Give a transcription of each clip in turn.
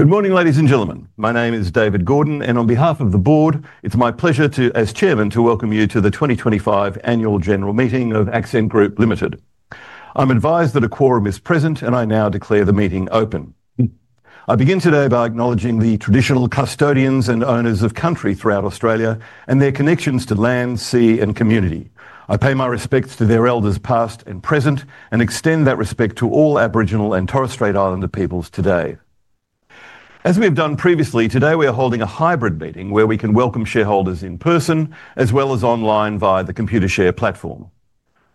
Good morning, ladies and gentlemen. My name is David Gordon, and on behalf of the board, it's my pleasure to, as Chairman, welcome you to the 2025 Annual General Meeting of Accent Group Limited. I'm advised that a quorum is present, and I now declare the meeting open. I begin today by acknowledging the traditional custodians and owners of country throughout Australia and their connections to land, sea, and community. I pay my respects to their elders past and present, and extend that respect to all Aboriginal and Torres Strait Islander peoples today. As we have done previously, today we are holding a hybrid meeting where we can welcome shareholders in person as well as online via the Computershare platform.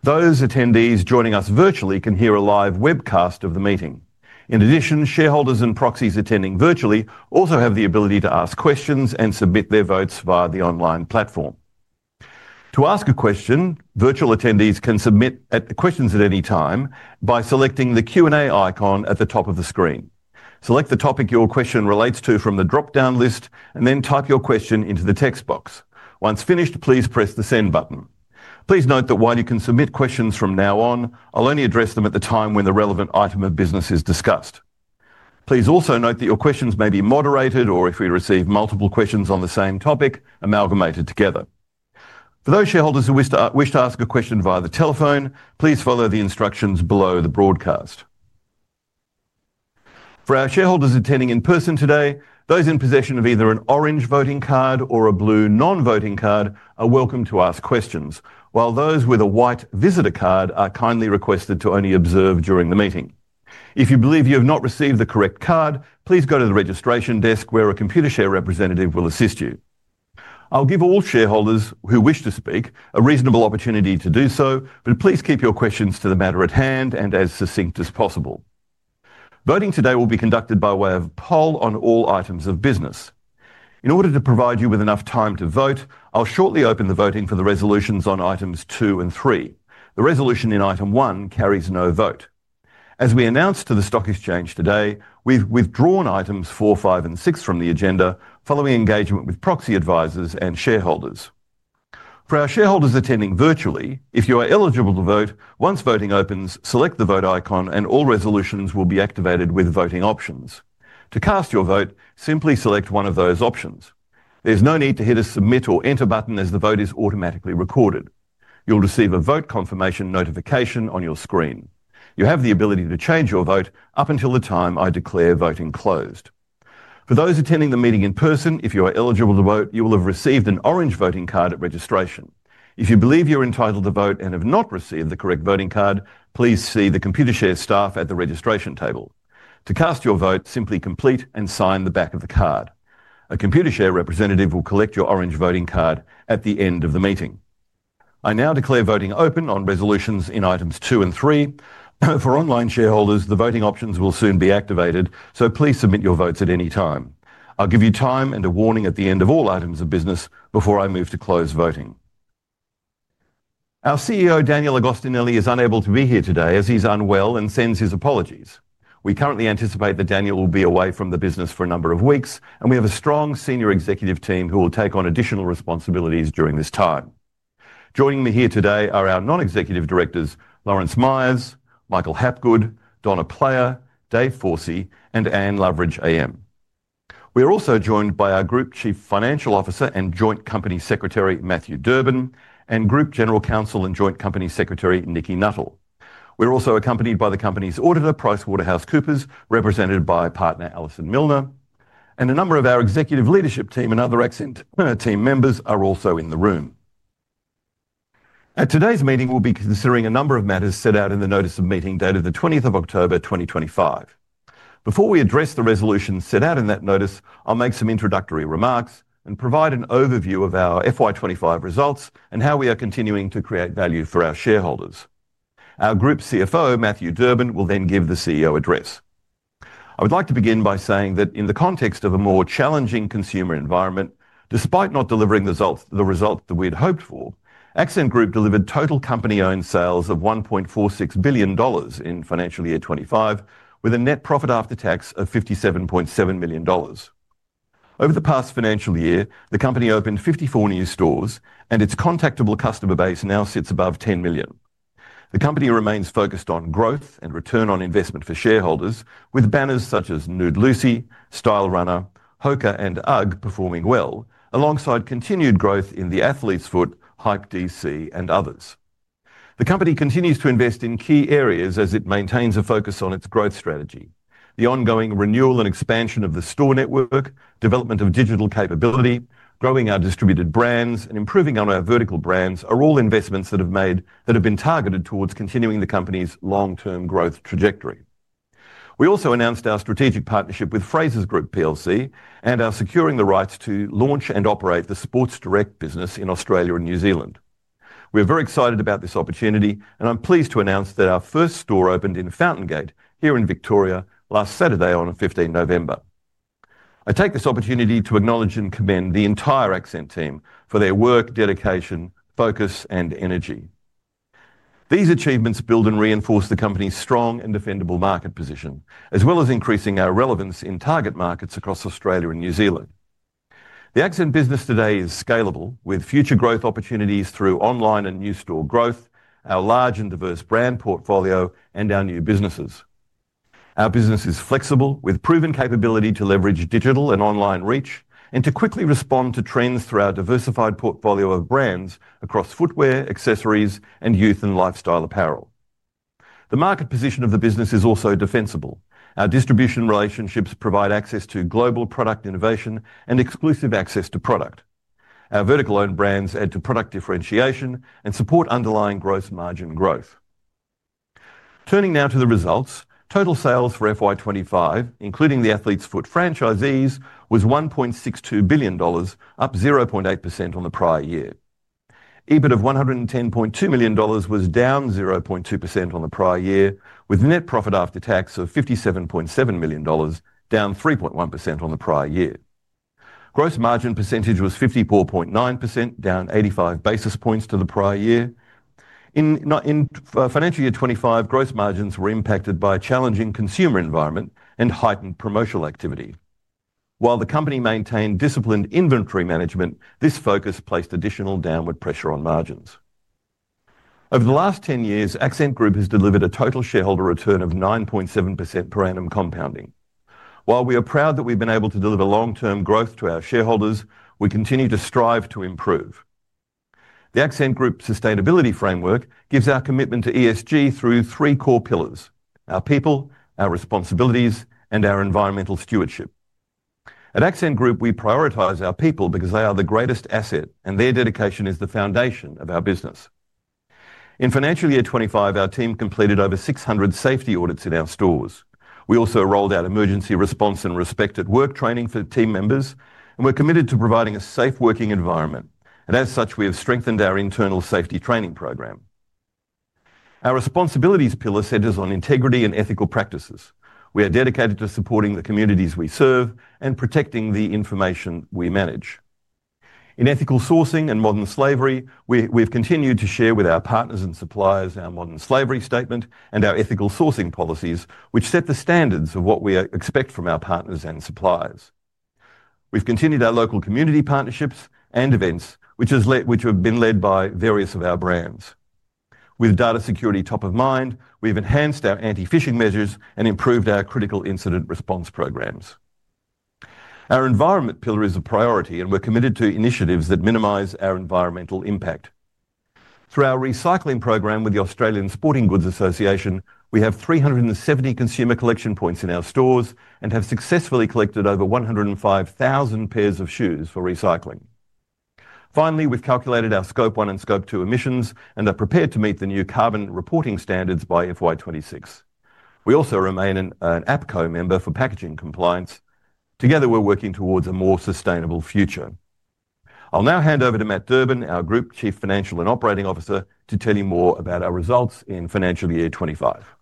Those attendees joining us virtually can hear a live webcast of the meeting. In addition, shareholders and proxies attending virtually also have the ability to ask questions and submit their votes via the online platform. To ask a question, virtual attendees can submit questions at any time by selecting the Q&A icon at the top of the screen. Select the topic your question relates to from the drop-down list, and then type your question into the text box. Once finished, please press the send button. Please note that while you can submit questions from now on, I'll only address them at the time when the relevant item of business is discussed. Please also note that your questions may be moderated, or if we receive multiple questions on the same topic, amalgamated together. For those shareholders who wish to ask a question via the telephone, please follow the instructions below the broadcast. For our shareholders attending in person today, those in possession of either an orange voting card or a blue non-voting card are welcome to ask questions, while those with a white visitor card are kindly requested to only observe during the meeting. If you believe you have not received the correct card, please go to the registration desk where a Computershare representative will assist you. I'll give all shareholders who wish to speak a reasonable opportunity to do so, but please keep your questions to the matter at hand and as succinct as possible. Voting today will be conducted by way of poll on all items of business. In order to provide you with enough time to vote, I'll shortly open the voting for the resolutions on items two and three. The resolution in item one carries no vote. As we announced to the stock exchange today, we've withdrawn items four, five, and six from the agenda following engagement with proxy advisors and shareholders. For our shareholders attending virtually, if you are eligible to vote, once voting opens, select the vote icon and all resolutions will be activated with voting options. To cast your vote, simply select one of those options. There's no need to hit a submit or enter button as the vote is automatically recorded. You'll receive a vote confirmation notification on your screen. You have the ability to change your vote up until the time I declare voting closed. For those attending the meeting in person, if you are eligible to vote, you will have received an orange voting card at registration. If you believe you're entitled to vote and have not received the correct voting card, please see the Computershare staff at the registration table. To cast your vote, simply complete and sign the back of the card. A Computershare representative will collect your orange voting card at the end of the meeting. I now declare voting open on resolutions in items two and three. For online shareholders, the voting options will soon be activated, so please submit your votes at any time. I'll give you time and a warning at the end of all items of business before I move to close voting. Our CEO, Daniel Agostinelli, is unable to be here today as he's unwell and sends his apologies. We currently anticipate that Daniel will be away from the business for a number of weeks, and we have a strong senior executive team who will take on additional responsibilities during this time. Joining me here today are our non-executive directors, Lawrence Myers, Michael Hapgood, Donna Player, David Forshaw, and Anne Loveridge, AM. We are also joined by our Group Chief Financial Officer and Joint Company Secretary, Matthew Durbin, and Group General Counsel and Joint Company Secretary, Nikki Nuttall. We're also accompanied by the company's auditor, PricewaterhouseCoopers, represented by partner Alison Milner, and a number of our executive leadership team and other Accent team members are also in the room. At today's meeting, we'll be considering a number of matters set out in the notice of meeting dated the 20th of October, 2025. Before we address the resolutions set out in that notice, I'll make some introductory remarks and provide an overview of our FY25 results and how we are continuing to create value for our shareholders. Our Group CFO, Matthew Durbin, will then give the CEO address. I would like to begin by saying that in the context of a more challenging consumer environment, despite not delivering the results that we had hoped for, Accent Group delivered total company-owned sales of 1.46 billion dollars in financial year 2025, with a net profit after tax of 57.7 million dollars. Over the past financial year, the company opened 54 new stores, and its contactable customer base now sits above 10 million. The company remains focused on growth and return on investment for shareholders, with banners such as Nude Lucy, Stylerunner, HOKA, and UGG performing well, alongside continued growth in The Athlete’s Foot, Hype DC, and others. The company continues to invest in key areas as it maintains a focus on its growth strategy. The ongoing renewal and expansion of the store network, development of digital capability, growing our distributed brands, and improving our vertical brands are all investments that have been targeted towards continuing the company’s long-term growth trajectory. We also announced our strategic partnership with Frasers Group and our securing the rights to launch and operate the Sports Direct business in Australia and New Zealand. We are very excited about this opportunity, and I’m pleased to announce that our first store opened in Fountain Gate here in Victoria last Saturday on 15 November. I take this opportunity to acknowledge and commend the entire Accent team for their work, dedication, focus, and energy. These achievements build and reinforce the company's strong and defendable market position, as well as increasing our relevance in target markets across Australia and New Zealand. The Accent business today is scalable, with future growth opportunities through online and new store growth, our large and diverse brand portfolio, and our new businesses. Our business is flexible, with proven capability to leverage digital and online reach and to quickly respond to trends through our diversified portfolio of brands across footwear, accessories, and youth and lifestyle apparel. The market position of the business is also defensible. Our distribution relationships provide access to global product innovation and exclusive access to product. Our vertical-owned brands add to product differentiation and support underlying gross margin growth. Turning now to the results, total sales for FY25, including the Athlete's Foot franchisees, was 1.62 billion dollars, up 0.8% on the prior year. EBIT of 110.2 million dollars was down 0.2% on the prior year, with net profit after tax of 57.7 million dollars, down 3.1% on the prior year. Gross margin percentage was 54.9%, down 85 basis points to the prior year. In financial year 2025, gross margins were impacted by a challenging consumer environment and heightened promotional activity. While the company maintained disciplined inventory management, this focus placed additional downward pressure on margins. Over the last 10 years, Accent Group has delivered a total shareholder return of 9.7% per annum compounding. While we are proud that we've been able to deliver long-term growth to our shareholders, we continue to strive to improve. The Accent Group sustainability framework gives our commitment to ESG through three core pillars: our people, our responsibilities, and our environmental stewardship. At Accent Group, we prioritize our people because they are the greatest asset, and their dedication is the foundation of our business. In financial year 2025, our team completed over 600 safety audits in our stores. We also rolled out emergency response and respect at work training for team members, and we're committed to providing a safe working environment. As such, we have strengthened our internal safety training program. Our responsibilities pillar centers on integrity and ethical practices. We are dedicated to supporting the communities we serve and protecting the information we manage. In ethical sourcing and modern slavery, we've continued to share with our partners and suppliers our modern slavery statement and our ethical sourcing policies, which set the standards of what we expect from our partners and suppliers. We've continued our local community partnerships and events, which have been led by various of our brands. With data security top of mind, we've enhanced our anti-phishing measures and improved our critical incident response programs. Our environment pillar is a priority, and we're committed to initiatives that minimize our environmental impact. Through our recycling program with the Australian Sporting Goods Association, we have 370 consumer collection points in our stores and have successfully collected over 105,000 pairs of shoes for recycling. Finally, we've calculated our scope one and scope two emissions and are prepared to meet the new carbon reporting standards by FY26. We also remain an APCO member for packaging compliance. Together, we're working towards a more sustainable future. I'll now hand over to Matt Durbin, our Group Chief Financial and Operating Officer, to tell you more about our results in financial year 2025.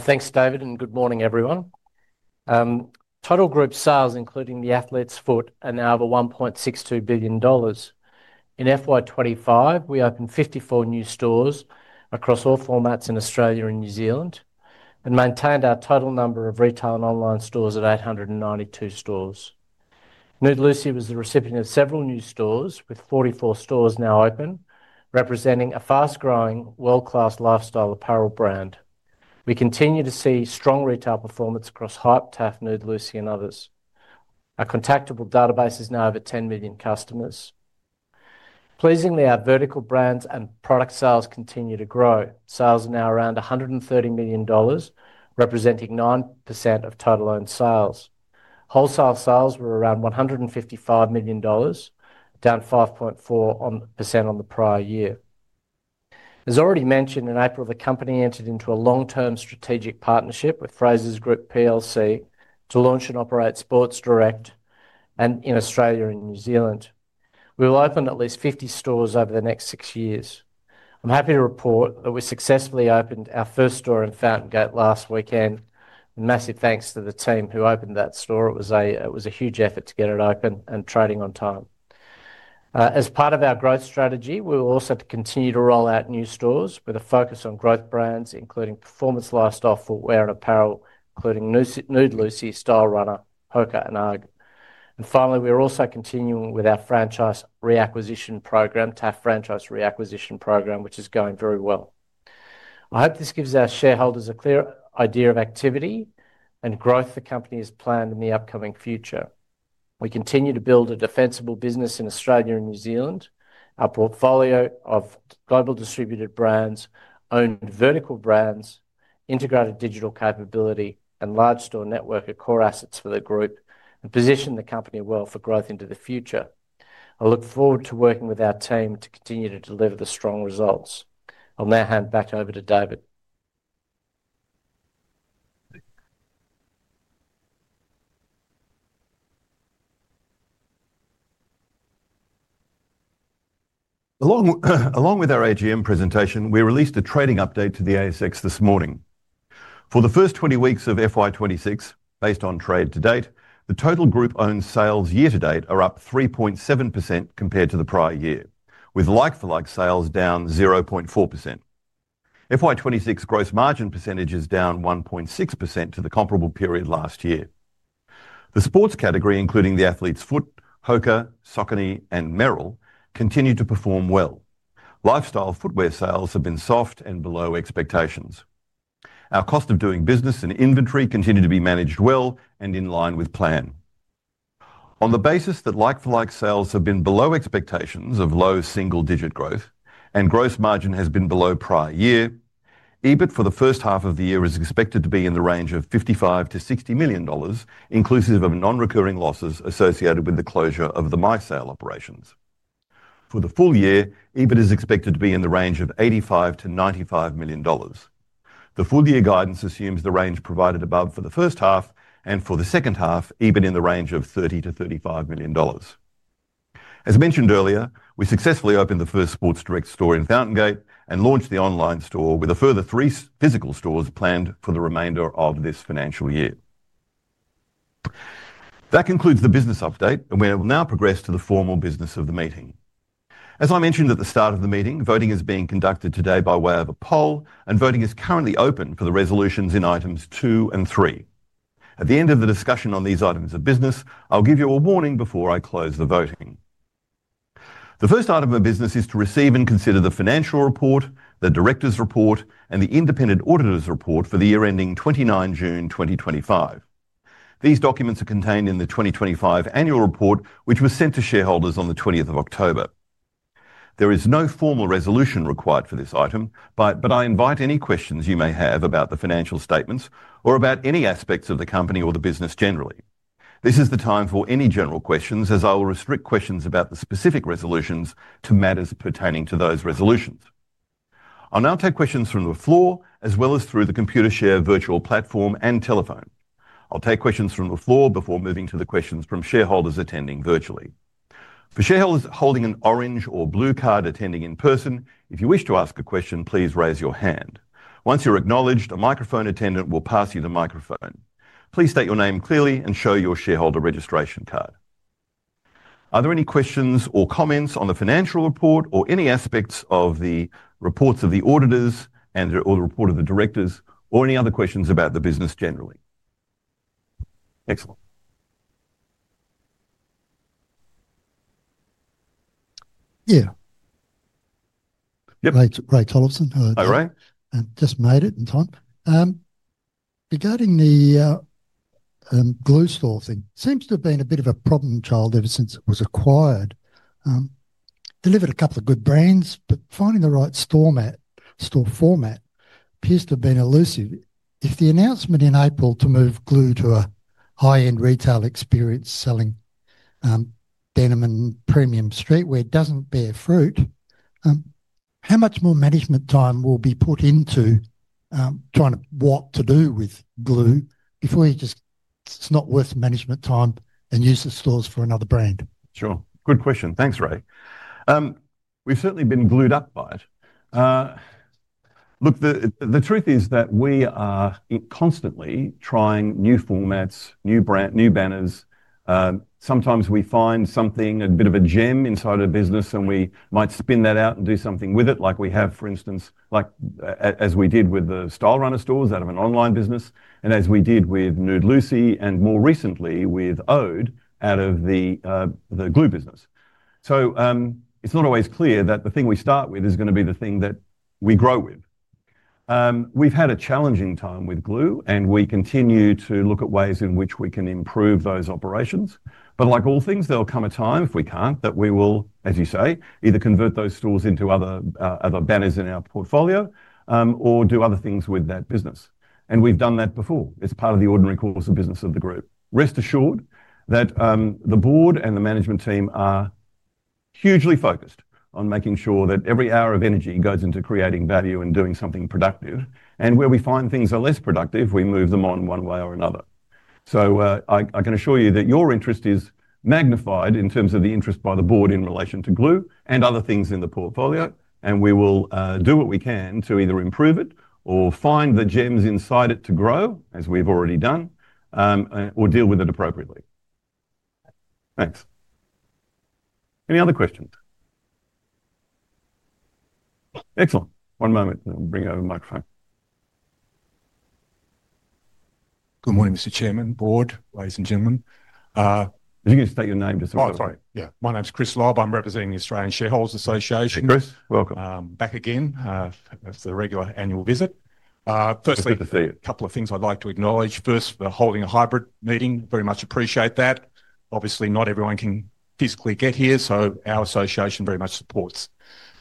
Thanks, David, and good morning, everyone. Total group sales, including The Athlete’s Foot, are now over 1.62 billion dollars. In FY25, we opened 54 new stores across all formats in Australia and New Zealand and maintained our total number of retail and online stores at 892 stores. Nude Lucy was the recipient of several new stores, with 44 stores now open, representing a fast-growing, world-class lifestyle apparel brand. We continue to see strong retail performance across Hype DC, TAF, Nude Lucy, and others. Our contactable database is now over 10 million customers. Pleasingly, our vertical brands and product sales continue to grow. Sales are now around 130 million dollars, representing 9% of total owned sales. Wholesale sales were around 155 million dollars, down 5.4% on the prior year. As already mentioned in April, the company entered into a long-term strategic partnership with Frasers Group PLC to launch and operate Sports Direct in Australia and New Zealand. We will open at least 50 stores over the next six years. I'm happy to report that we successfully opened our first store in Fountain Gate last weekend. Massive thanks to the team who opened that store. It was a huge effort to get it open and trading on time. As part of our growth strategy, we will also continue to roll out new stores with a focus on growth brands, including performance lifestyle footwear and apparel, including Nude Lucy, Stylerunner, HOKA, and UGG. Finally, we are also continuing with our franchise reacquisition program, TAF franchise reacquisition program, which is going very well. I hope this gives our shareholders a clear idea of activity and growth the company has planned in the upcoming future. We continue to build a defensible business in Australia and New Zealand. Our portfolio of global distributed brands, owned vertical brands, integrated digital capability, and large store network are core assets for the group and position the company well for growth into the future. I look forward to working with our team to continue to deliver the strong results. I'll now hand back over to David. Along with our AGM presentation, we released a trading update to the ASX this morning. For the first 20 weeks of FY25, based on trade to date, the total group owned sales year-to-date are up 3.7% compared to the prior year, with like-for-like sales down 0.4%. FY25 gross margin percentage is down 1.6% to the comparable period last year. The sports category, including The Athlete’s Foot, HOKA, Saucony, and Merrell, continued to perform well. Lifestyle footwear sales have been soft and below expectations. Our cost of doing business and inventory continue to be managed well and in line with plan. On the basis that like-for-like sales have been below expectations of low single-digit growth and gross margin has been below prior year, EBIT for the first half of the year is expected to be in the range of 55 million-60 million dollars, inclusive of non-recurring losses associated with the closure of the MySale operations. For the full year, EBIT is expected to be in the range of 85 million-95 million dollars. The full year guidance assumes the range provided above for the first half and for the second half, EBIT in the range of 30 million-35 million dollars. As mentioned earlier, we successfully opened the first Sports Direct store in Fountain Gate and launched the online store with a further three physical stores planned for the remainder of this financial year. That concludes the business update, and we will now progress to the formal business of the meeting. As I mentioned at the start of the meeting, voting is being conducted today by way of a poll, and voting is currently open for the resolutions in items two and three. At the end of the discussion on these items of business, I'll give you a warning before I close the voting. The first item of business is to receive and consider the financial report, the director's report, and the independent auditor's report for the year ending 29 June 2025. These documents are contained in the 2025 annual report, which was sent to shareholders on the 20th of October. There is no formal resolution required for this item, but I invite any questions you may have about the financial statements or about any aspects of the company or the business generally. This is the time for any general questions, as I will restrict questions about the specific resolutions to matters pertaining to those resolutions. I'll now take questions from the floor as well as through the Computershare virtual platform and telephone. I'll take questions from the floor before moving to the questions from shareholders attending virtually. For shareholders holding an orange or blue card attending in person, if you wish to ask a question, please raise your hand. Once you're acknowledged, a microphone attendant will pass you the microphone. Please state your name clearly and show your shareholder registration card. Are there any questions or comments on the financial report or any aspects of the reports of the auditors and/or the report of the directors, or any other questions about the business generally? Excellent. Yeah. Rachel Ollison just made it in time. Regarding the Glue Store thing, it seems to have been a bit of a problem child ever since it was acquired. Delivered a couple of good brands, but finding the right store format appears to have been elusive. If the announcement in April to move Glue to a high-end retail experience selling denim and premium streetwear doesn't bear fruit, how much more management time will be put into trying to what to do with Glue before it's not worth the management time and use the stores for another brand? Sure. Good question. Thanks, Ray. We've certainly been glued up by it. Look, the truth is that we are constantly trying new formats, new brands, new banners. Sometimes we find something, a bit of a gem inside of a business, and we might spin that out and do something with it, like we have, for instance, like as we did with the Stylerunner stores out of an online business, and as we did with Nude Lucy and more recently with Ode out of the Glue business. It is not always clear that the thing we start with is going to be the thing that we grow with. We've had a challenging time with Glue, and we continue to look at ways in which we can improve those operations. Like all things, there will come a time, if we cannot, that we will, as you say, either convert those stores into other banners in our portfolio or do other things with that business. We have done that before. It is part of the ordinary course of business of the group. Rest assured that the board and the management team are hugely focused on making sure that every hour of energy goes into creating value and doing something productive. Where we find things are less productive, we move them on one way or another. I can assure you that your interest is magnified in terms of the interest by the board in relation to Glue and other things in the portfolio. We will do what we can to either improve it or find the gems inside it to grow, as we have already done, or deal with it appropriately. Thanks. Any other questions? Excellent. One moment. I'll bring over the microphone. Good morning, Mr. Chairman, board, ladies and gentlemen. If you can state your name just for a second. Oh, sorry. Yeah. My name's Chris Lobb. I'm representing the Australian Shareholders Association. Chris, welcome. Back again for the regular annual visit. Firstly, a couple of things I'd like to acknowledge. First, the holding a hybrid meeting. Very much appreciate that. Obviously, not everyone can physically get here, so our association very much supports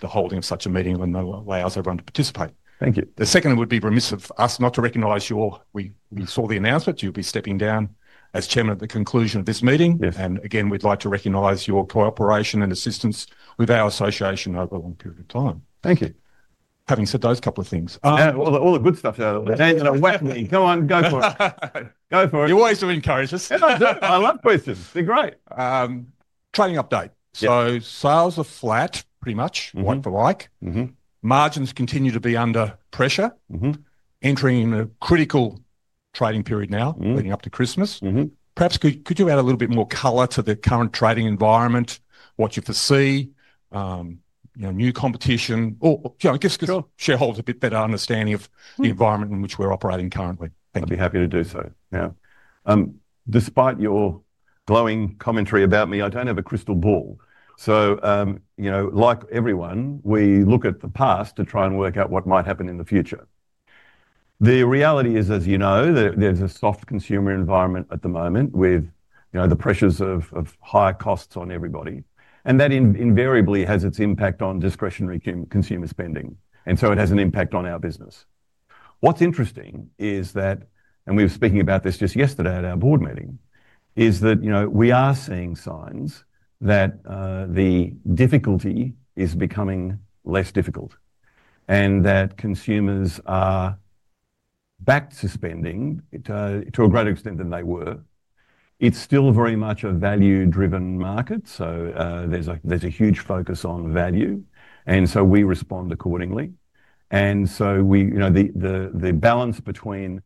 the holding of such a meeting and allows everyone to participate. Thank you. The second would be remiss of us not to recognize your—we saw the announcement. You'll be stepping down as chairman at the conclusion of this meeting. Again, we'd like to recognize your cooperation and assistance with our association over a long period of time. Thank you. Having said those couple of things. All the good stuff. Daniel Agostinelli, come on, go for it. Go for it. You always do encourage us. I love questions. They're great. Trading update. Sales are flat, pretty much, like for like. Margins continue to be under pressure, entering in a critical trading period now leading up to Christmas. Perhaps could you add a little bit more color to the current trading environment, what you foresee, new competition, or just give shareholders a bit better understanding of the environment in which we're operating currently? I'd be happy to do so. Now, despite your glowing commentary about me, I don't have a crystal ball. Like everyone, we look at the past to try and work out what might happen in the future. The reality is, as you know, there's a soft consumer environment at the moment with the pressures of higher costs on everybody. That invariably has its impact on discretionary consumer spending. It has an impact on our business. What's interesting is that we were speaking about this just yesterday at our board meeting we are seeing signs that the difficulty is becoming less difficult and that consumers are back to spending to a greater extent than they were. It's still very much a value-driven market. There's a huge focus on value. We respond accordingly. The balance between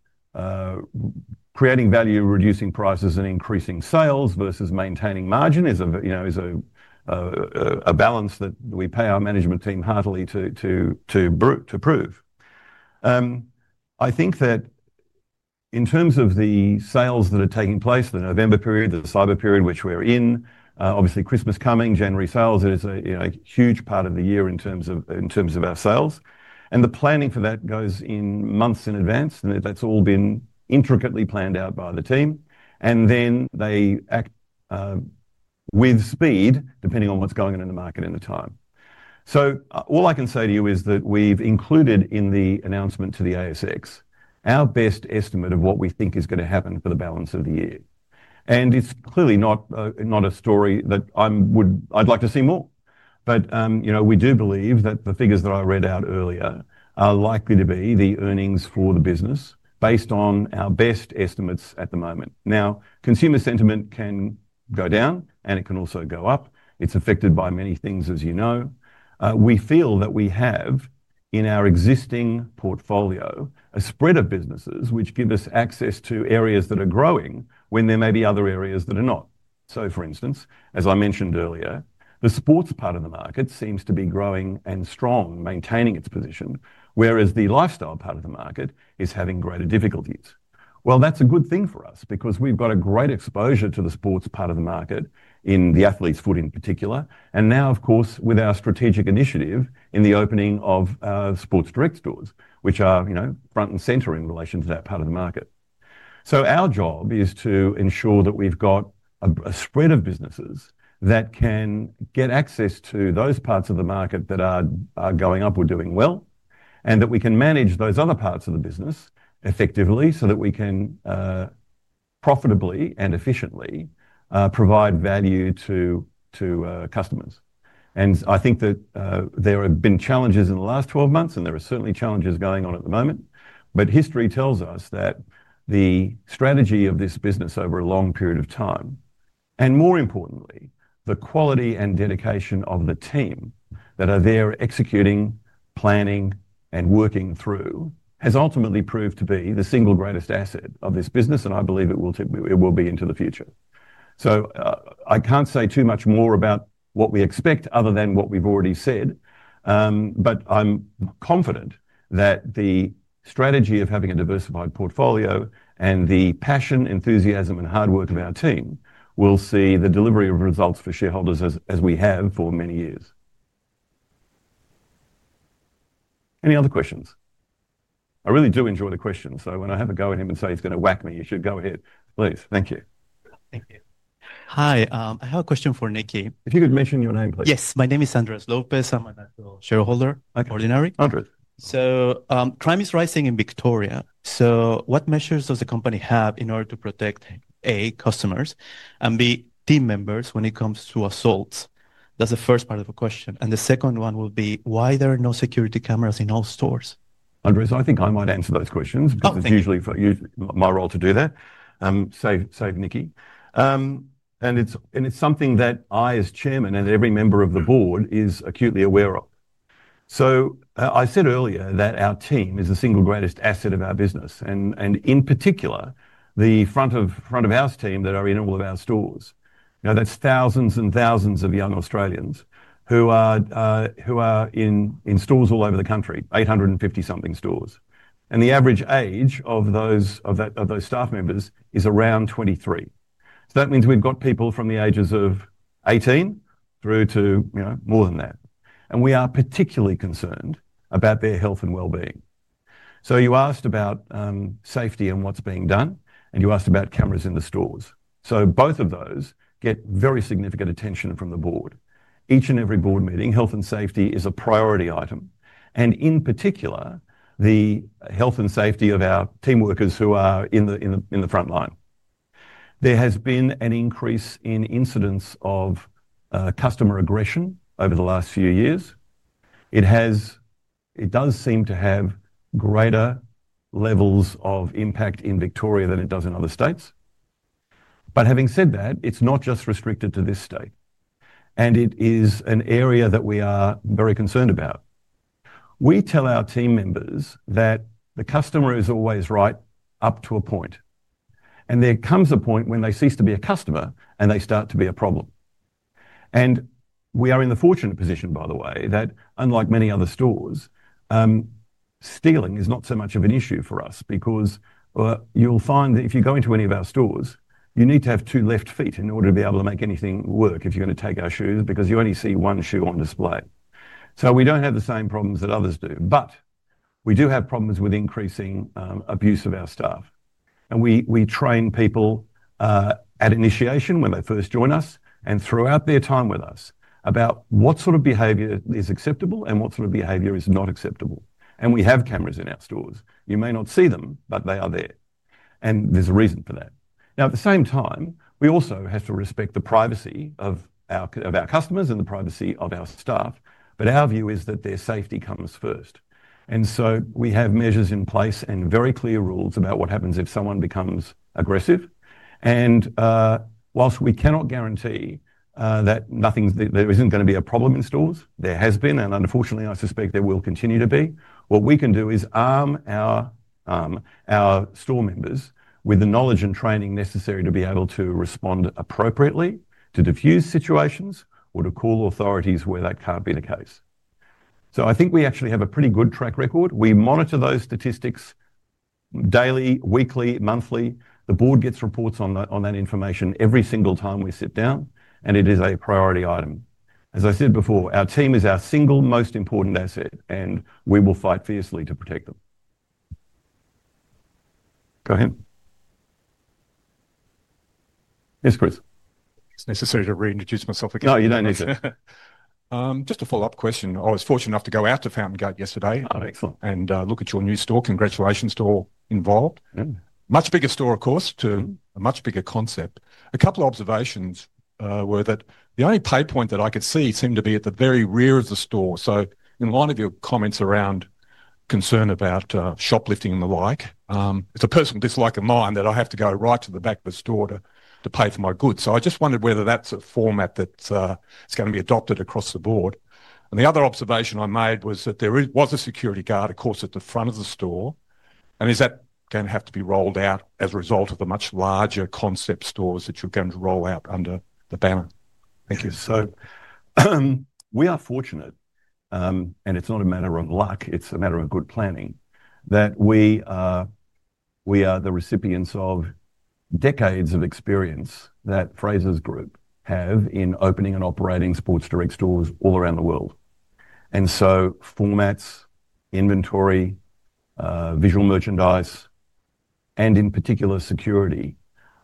creating value, reducing prices, and increasing sales versus maintaining margin is a balance that we pay our management team heartily to prove. I think that in terms of the sales that are taking place, the November period, the cyber period, which we're in, obviously Christmas coming, January sales, it is a huge part of the year in terms of our sales. The planning for that goes in months in advance. That's all been intricately planned out by the team. They act with speed, depending on what's going on in the market in the time. All I can say to you is that we've included in the announcement to the ASX our best estimate of what we think is going to happen for the balance of the year. It's clearly not a story that I'd like to see more. We do believe that the figures that I read out earlier are likely to be the earnings for the business based on our best estimates at the moment. Now, consumer sentiment can go down, and it can also go up. It is affected by many things, as you know. We feel that we have, in our existing portfolio, a spread of businesses which give us access to areas that are growing when there may be other areas that are not. For instance, as I mentioned earlier, the sports part of the market seems to be growing and strong, maintaining its position, whereas the lifestyle part of the market is having greater difficulties. That is a good thing for us because we have got a great exposure to the sports part of the market in The Athlete’s Foot in particular. Of course, with our strategic initiative in the opening of Sports Direct stores, which are front and center in relation to that part of the market. Our job is to ensure that we've got a spread of businesses that can get access to those parts of the market that are going up or doing well, and that we can manage those other parts of the business effectively so that we can profitably and efficiently provide value to customers. I think that there have been challenges in the last 12 months, and there are certainly challenges going on at the moment. History tells us that the strategy of this business over a long period of time, and more importantly, the quality and dedication of the team that are there executing, planning, and working through has ultimately proved to be the single greatest asset of this business, and I believe it will be into the future. I cannot say too much more about what we expect other than what we have already said. I am confident that the strategy of having a diversified portfolio and the passion, enthusiasm, and hard work of our team will see the delivery of results for shareholders as we have for many years. Any other questions? I really do enjoy the questions. When I have a go at him and say he is going to whack me, you should go ahead. Please. Thank you. Thank you. Hi. I have a question for Nikki. If you could mention your name, please. Yes. My name is Andreas Lopez. I'm an actual shareholder at Ordinary. Andreas. Crime is rising in Victoria. What measures does the company have in order to protect, A, customers, and B, team members when it comes to assaults? That is the first part of the question. The second one will be, why are there no security cameras in all stores? Andreas, I think I might answer those questions because it's usually my role to do that. Save, Nikki. It is something that I, as Chairman, and every member of the board is acutely aware of. I said earlier that our team is the single greatest asset of our business, and in particular, the front of house team that are in all of our stores. That is thousands and thousands of young Australians who are in stores all over the country, 850-something stores. The average age of those staff members is around 23. That means we have people from the ages of 18 through to more than that. We are particularly concerned about their health and well-being. You asked about safety and what is being done, and you asked about cameras in the stores. Both of those get very significant attention from the board. Each and every board meeting, health and safety is a priority item. In particular, the health and safety of our team workers who are in the front line. There has been an increase in incidents of customer aggression over the last few years. It does seem to have greater levels of impact in Victoria than it does in other states. Having said that, it is not just restricted to this state. It is an area that we are very concerned about. We tell our team members that the customer is always right up to a point. There comes a point when they cease to be a customer and they start to be a problem. We are in the fortunate position, by the way, that unlike many other stores, stealing is not so much of an issue for us because you'll find that if you go into any of our stores, you need to have two left feet in order to be able to make anything work if you're going to take our shoes because you only see one shoe on display. We do not have the same problems that others do. We do have problems with increasing abuse of our staff. We train people at initiation when they first join us and throughout their time with us about what sort of behavior is acceptable and what sort of behavior is not acceptable. We have cameras in our stores. You may not see them, but they are there. There is a reason for that. Now, at the same time, we also have to respect the privacy of our customers and the privacy of our staff. Our view is that their safety comes first. We have measures in place and very clear rules about what happens if someone becomes aggressive. Whilst we cannot guarantee that there is not going to be a problem in stores, there has been, and unfortunately, I suspect there will continue to be, what we can do is arm our store members with the knowledge and training necessary to be able to respond appropriately to diffuse situations or to call authorities where that cannot be the case. I think we actually have a pretty good track record. We monitor those statistics daily, weekly, monthly. The board gets reports on that information every single time we sit down, and it is a priority item. As I said before, our team is our single most important asset, and we will fight fiercely to protect them. Go ahead. Yes, Chris. It's necessary to reintroduce myself again. No, you don't need to. Just a follow-up question. I was fortunate enough to go out to Fountain Gate yesterday and look at your new store. Congratulations to all involved. Much bigger store, of course, to a much bigger concept. A couple of observations were that the only paypoint that I could see seemed to be at the very rear of the store. In line of your comments around concern about shoplifting and the like, it's a personal dislike of mine that I have to go right to the back of the store to pay for my goods. I just wondered whether that's a format that's going to be adopted across the board. The other observation I made was that there was a security guard, of course, at the front of the store. Is that going to have to be rolled out as a result of the much larger concept stores that you're going to roll out under the banner? Thank you. We are fortunate, and it's not a matter of luck, it's a matter of good planning, that we are the recipients of decades of experience that Frasers Group have in opening and operating Sports Direct stores all around the world. Formats, inventory, visual merchandise, and in particular, security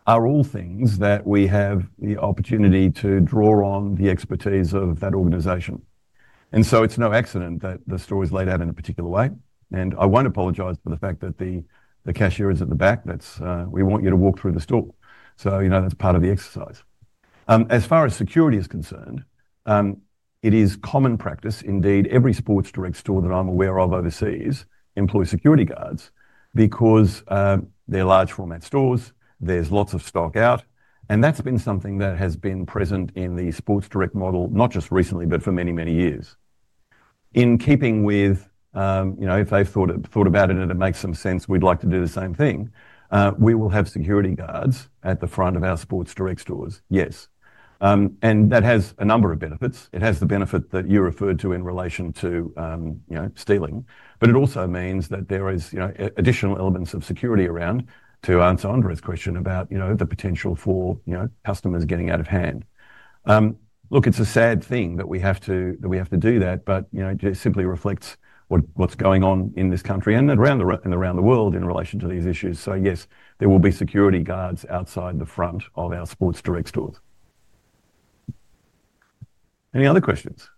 are all things that we have the opportunity to draw on the expertise of that organization. It's no accident that the store is laid out in a particular way. I won't apologize for the fact that the cashier is at the back. We want you to walk through the store. That's part of the exercise. As far as security is concerned, it is common practice, indeed, every Sports Direct store that I'm aware of overseas employs security guards because they're large format stores, there's lots of stock out. That has been something that has been present in the Sports Direct model, not just recently, but for many, many years. In keeping with, if they've thought about it and it makes some sense, we'd like to do the same thing, we will have security guards at the front of our Sports Direct stores, yes. That has a number of benefits. It has the benefit that you referred to in relation to stealing. It also means that there are additional elements of security around to answer Andreas' question about the potential for customers getting out of hand. Look, it's a sad thing that we have to do that, but it just simply reflects what's going on in this country and around the world in relation to these issues. Yes, there will be security guards outside the front of our Sports Direct stores. Any other questions?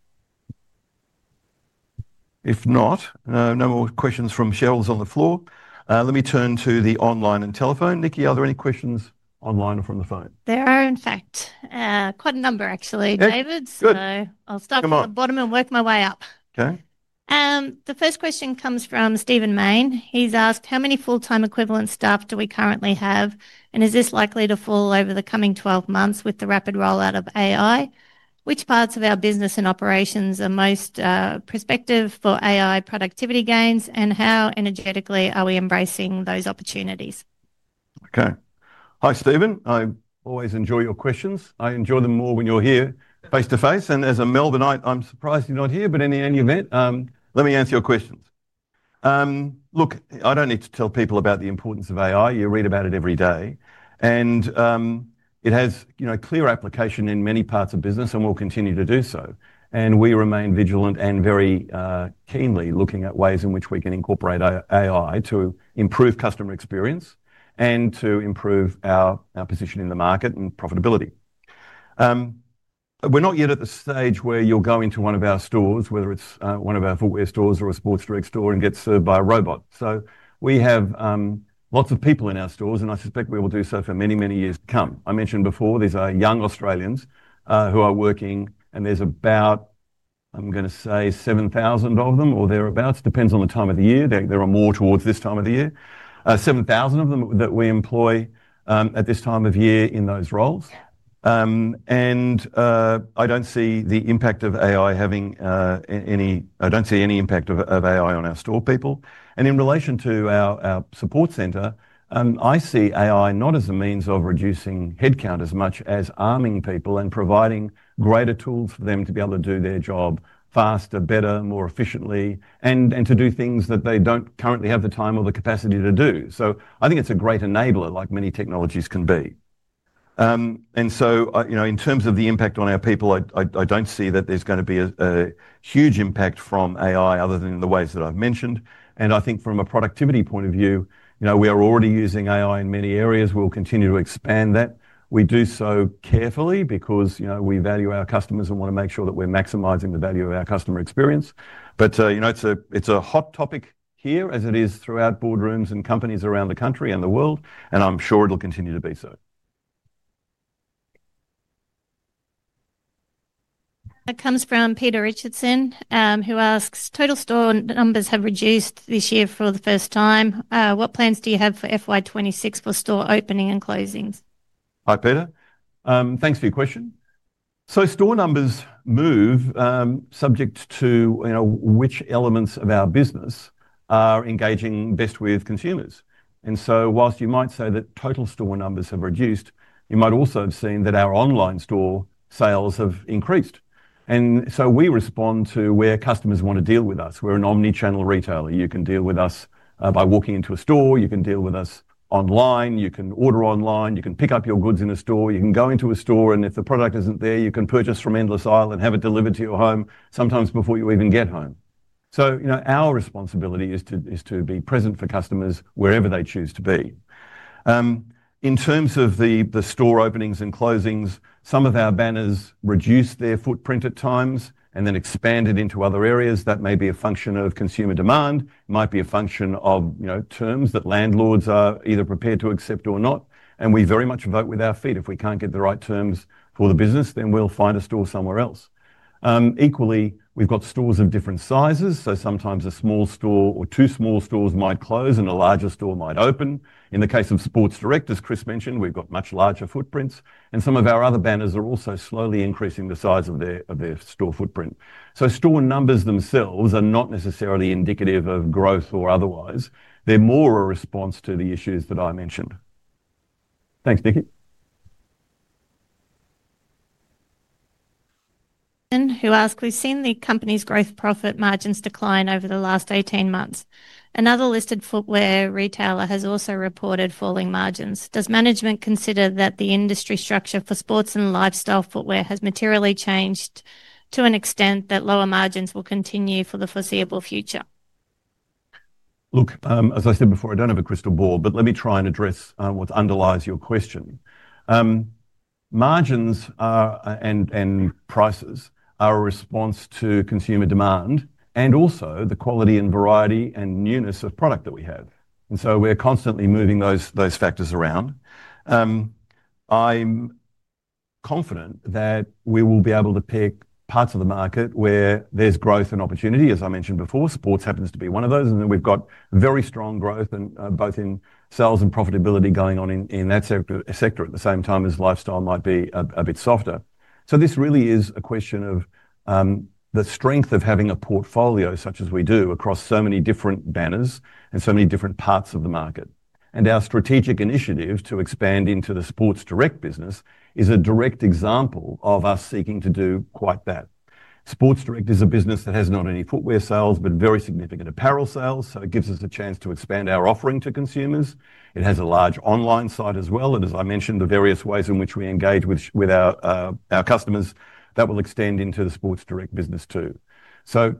If not, no more questions from shelves, on the floor. Let me turn to the online and telephone. Nikki, are there any questions online or from the phone? There are, in fact, quite a number, actually, David. I will start from the bottom and work my way up. The first question comes from Stephen Main. He has asked, how many full-time equivalent staff do we currently have? Is this likely to fall over the coming 12 months with the rapid rollout of AI? Which parts of our business and operations are most prospective for AI productivity gains, and how energetically are we embracing those opportunities? Okay. Hi, Stephen. I always enjoy your questions. I enjoy them more when you're here face to face. As a Melbourneite, I'm surprised you're not here, but in any event, let me answer your questions. Look, I don't need to tell people about the importance of AI. You read about it every day. It has clear application in many parts of business and will continue to do so. We remain vigilant and very keenly looking at ways in which we can incorporate AI to improve customer experience and to improve our position in the market and profitability. We're not yet at the stage where you'll go into one of our stores, whether it's one of our footwear stores or a Sports Direct store, and get served by a robot. We have lots of people in our stores, and I suspect we will do so for many, many years to come. I mentioned before, these are young Australians who are working, and there's about, I'm going to say, 7,000 of them or thereabouts. Depends on the time of the year. There are more towards this time of the year. 7,000 of them that we employ at this time of year in those roles. I don't see the impact of AI having any—I don't see any impact of AI on our store people. In relation to our support center, I see AI not as a means of reducing headcount as much as arming people and providing greater tools for them to be able to do their job faster, better, more efficiently, and to do things that they don't currently have the time or the capacity to do. I think it's a great enabler, like many technologies can be. In terms of the impact on our people, I don't see that there's going to be a huge impact from AI other than the ways that I've mentioned. I think from a productivity point of view, we are already using AI in many areas. We'll continue to expand that. We do so carefully because we value our customers and want to make sure that we're maximizing the value of our customer experience. It's a hot topic here as it is throughout boardrooms and companies around the country and the world, and I'm sure it'll continue to be so. That comes from Peter Richardson, who asks, total store numbers have reduced this year for the first time. What plans do you have for FY26 for store opening and closings? Hi, Peter. Thanks for your question. Store numbers move subject to which elements of our business are engaging best with consumers. Whilst you might say that total store numbers have reduced, you might also have seen that our online store sales have increased. We respond to where customers want to deal with us. We're an omnichannel retailer. You can deal with us by walking into a store. You can deal with us online. You can order online. You can pick up your goods in a store. You can go into a store, and if the product isn't there, you can purchase from endless aisle and have it delivered to your home sometimes before you even get home. Our responsibility is to be present for customers wherever they choose to be. In terms of the store openings and closings, some of our banners reduce their footprint at times and then expand it into other areas. That may be a function of consumer demand. It might be a function of terms that landlords are either prepared to accept or not. We very much vote with our feet. If we can't get the right terms for the business, then we'll find a store somewhere else. Equally, we've got stores of different sizes. Sometimes a small store or two small stores might close and a larger store might open. In the case of Sports Direct, as Chris mentioned, we've got much larger footprints. Some of our other banners are also slowly increasing the size of their store footprint. Store numbers themselves are not necessarily indicative of growth or otherwise. They're more a response to the issues that I mentioned. Thanks, Nicky. Who asked, we've seen the company's gross profit margins decline over the last 18 months. Another listed footwear retailer has also reported falling margins. Does management consider that the industry structure for sports and lifestyle footwear has materially changed to an extent that lower margins will continue for the foreseeable future? Look, as I said before, I don't have a crystal ball, but let me try and address what underlies your question. Margins and prices are a response to consumer demand and also the quality and variety and newness of product that we have. We are constantly moving those factors around. I'm confident that we will be able to pick parts of the market where there's growth and opportunity, as I mentioned before. Sports happens to be one of those. We have very strong growth in both sales and profitability going on in that sector at the same time as lifestyle might be a bit softer. This really is a question of the strength of having a portfolio such as we do across so many different banners and so many different parts of the market. Our strategic initiative to expand into the Sports Direct business is a direct example of us seeking to do quite that. Sports Direct is a business that has not only footwear sales, but very significant apparel sales. It gives us a chance to expand our offering to consumers. It has a large online site as well. As I mentioned, the various ways in which we engage with our customers will extend into the Sports Direct business too.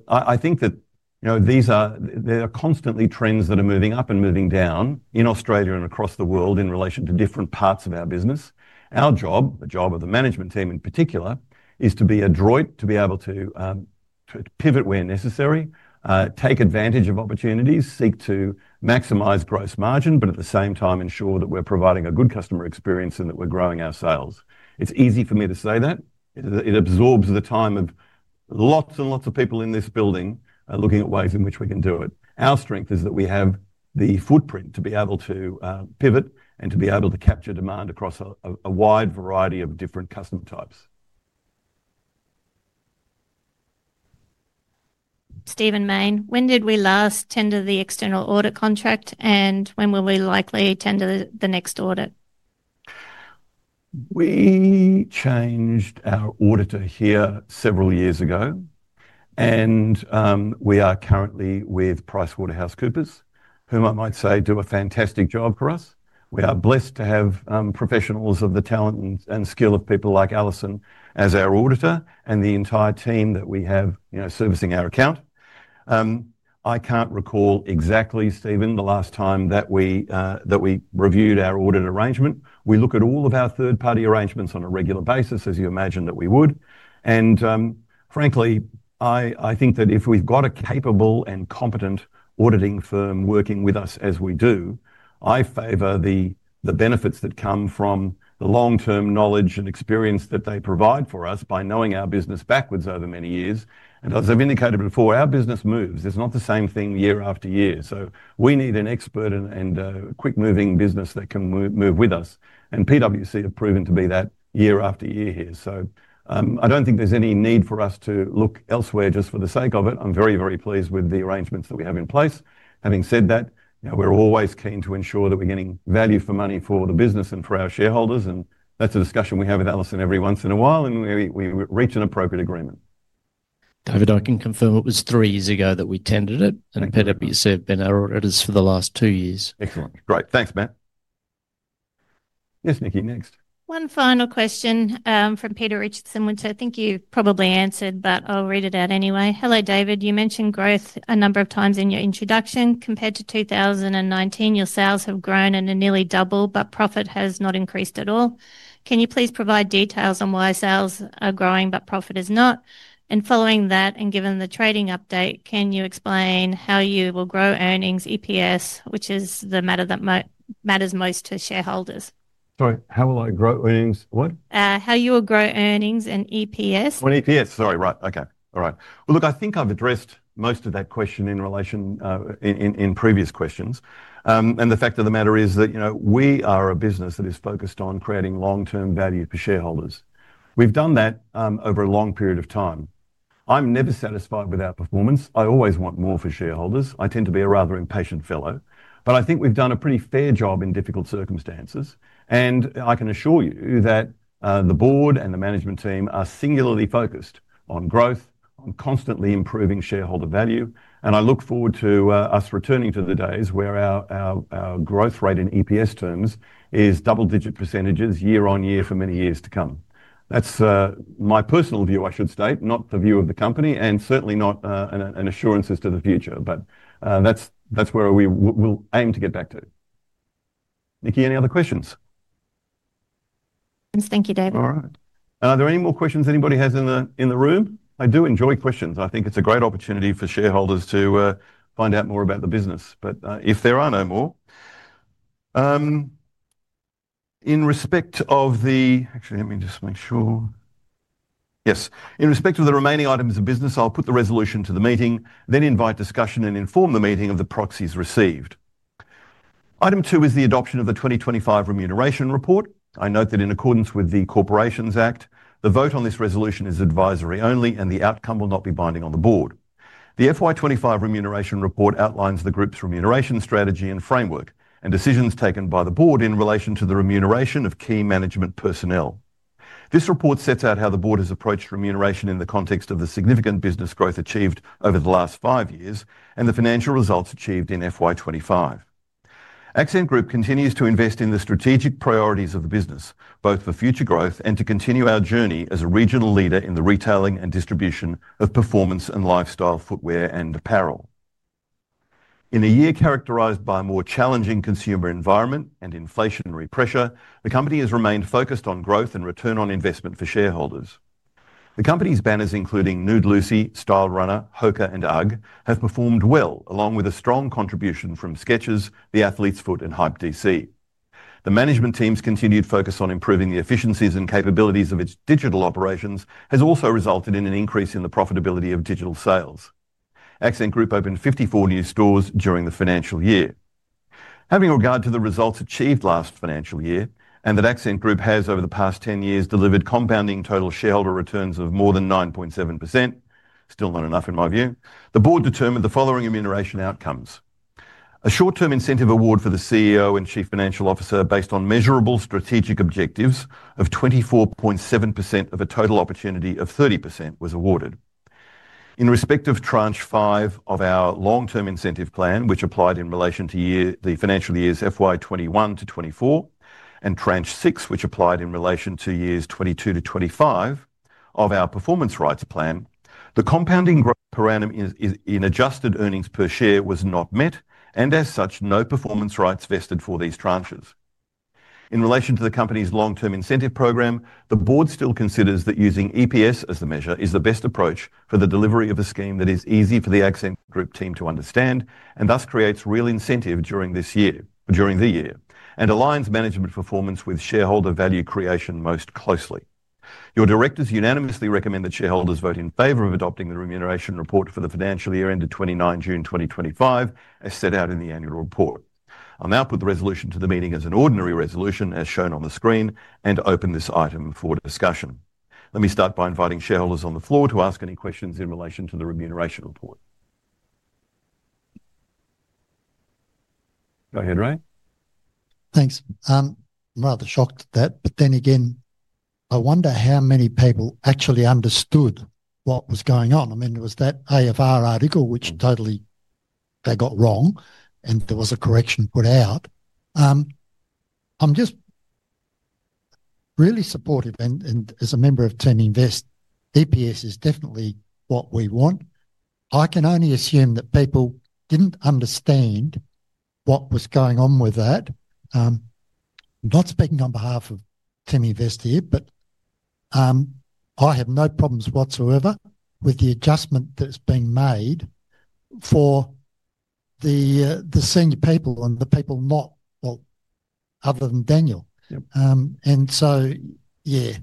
I think that there are constantly trends that are moving up and moving down in Australia and across the world in relation to different parts of our business. Our job, the job of the management team in particular, is to be adroit, to be able to pivot where necessary, take advantage of opportunities, seek to maximize gross margin, but at the same time, ensure that we're providing a good customer experience and that we're growing our sales. It's easy for me to say that. It absorbs the time of lots and lots of people in this building looking at ways in which we can do it. Our strength is that we have the footprint to be able to pivot and to be able to capture demand across a wide variety of different customer types. Stephen Main, when did we last tender the external audit contract, and when will we likely tender the next audit? We changed our auditor here several years ago, and we are currently with PricewaterhouseCoopers, whom I might say do a fantastic job for us. We are blessed to have professionals of the talent and skill of people like Alison as our auditor and the entire team that we have servicing our account. I can't recall exactly, Stephen, the last time that we reviewed our audit arrangement. We look at all of our third-party arrangements on a regular basis, as you imagine that we would. Frankly, I think that if we've got a capable and competent auditing firm working with us as we do, I favor the benefits that come from the long-term knowledge and experience that they provide for us by knowing our business backwards over many years. As I've indicated before, our business moves. It's not the same thing year after year. We need an expert and a quick-moving business that can move with us. PwC have proven to be that year after year here. I do not think there is any need for us to look elsewhere just for the sake of it. I am very, very pleased with the arrangements that we have in place. Having said that, we are always keen to ensure that we are getting value for money for the business and for our shareholders. That is a discussion we have with Alison every once in a while, and we reach an appropriate agreement. David, I can confirm it was three years ago that we tendered it. Peter, you said you've been our auditors for the last two years. Excellent. Great. Thanks, Matt. Yes, Nicky, next. One final question from Peter Richardson. Think you've probably answered, but I'll read it out anyway. Hello, David. You mentioned growth a number of times in your introduction. Compared to 2019, your sales have grown and are nearly doubled, but profit has not increased at all. Can you please provide details on why sales are growing, but profit is not? Following that, and given the trading update, can you explain how you will grow earnings, EPS, which is the matter that matters most to shareholders? Sorry, how will I grow earnings what? How you will grow earnings and EPS? EPS, sorry, right. Okay. All right. I think I've addressed most of that question in relation in previous questions. The fact of the matter is that we are a business that is focused on creating long-term value for shareholders. We've done that over a long period of time. I'm never satisfied with our performance. I always want more for shareholders. I tend to be a rather impatient fellow. I think we've done a pretty fair job in difficult circumstances. I can assure you that the board and the management team are singularly focused on growth, on constantly improving shareholder value. I look forward to us returning to the days where our growth rate in EPS terms is double-digit % year on year for many years to come. That's my personal view, I should state, not the view of the company, and certainly not an assurance as to the future. That is where we will aim to get back to. Nicky, any other questions? Thank you, David. All right. Are there any more questions anybody has in the room? I do enjoy questions. I think it's a great opportunity for shareholders to find out more about the business, but if there are no more. In respect of the actually, let me just make sure. Yes. In respect of the remaining items of business, I'll put the resolution to the meeting, then invite discussion and inform the meeting of the proxies received. Item two is the adoption of the 2025 remuneration report. I note that in accordance with the Corporations Act, the vote on this resolution is advisory only, and the outcome will not be binding on the board. The FY25 remuneration report outlines the group's remuneration strategy and framework and decisions taken by the board in relation to the remuneration of key management personnel. This report sets out how the board has approached remuneration in the context of the significant business growth achieved over the last five years and the financial results achieved in FY25. Accent Group continues to invest in the strategic priorities of the business, both for future growth and to continue our journey as a regional leader in the retailing and distribution of performance and lifestyle footwear and apparel. In a year characterized by a more challenging consumer environment and inflationary pressure, the company has remained focused on growth and return on investment for shareholders. The company's banners, including Nude Lucy, Stylerunner, HOKA, and UGG, have performed well, along with a strong contribution from Skechers, The Athlete’s Foot, and Hype DC. The management team's continued focus on improving the efficiencies and capabilities of its digital operations has also resulted in an increase in the profitability of digital sales. Accent Group opened 54 new stores during the financial year. Having regard to the results achieved last financial year and that Accent Group has over the past 10 years delivered compounding total shareholder returns of more than 9.7%, still not enough in my view, the board determined the following remuneration outcomes. A short-term incentive award for the CEO and Chief Financial Officer based on measurable strategic objectives of 24.7% of a total opportunity of 30% was awarded. In respect of tranche five of our long-term incentive plan, which applied in relation to the financial years FY21 to 2024, and tranche six, which applied in relation to years 2022 to 2025 of our performance rights plan, the compounding growth paradigm in adjusted earnings per share was not met, and as such, no performance rights vested for these tranches. In relation to the company's long-term incentive program, the board still considers that using EPS as the measure is the best approach for the delivery of a scheme that is easy for the Accent Group team to understand and thus creates real incentive during the year and aligns management performance with shareholder value creation most closely. Your directors unanimously recommend that shareholders vote in favor of adopting the remuneration report for the financial year ended 29 June 2025, as set out in the annual report. I'll now put the resolution to the meeting as an ordinary resolution, as shown on the screen, and open this item for discussion. Let me start by inviting shareholders on the floor to ask any questions in relation to the remuneration report. Go ahead, Ray. Thanks. I'm rather shocked at that, but then again, I wonder how many people actually understood what was going on. I mean, it was that AFR article, which totally they got wrong, and there was a correction put out. I'm just really supportive, and as a member of Tim Invest, EPS is definitely what we want. I can only assume that people didn't understand what was going on with that. I'm not speaking on behalf of Tim Invest here, but I have no problems whatsoever with the adjustment that's being made for the senior people and the people not, well, other than Daniel. Yeah,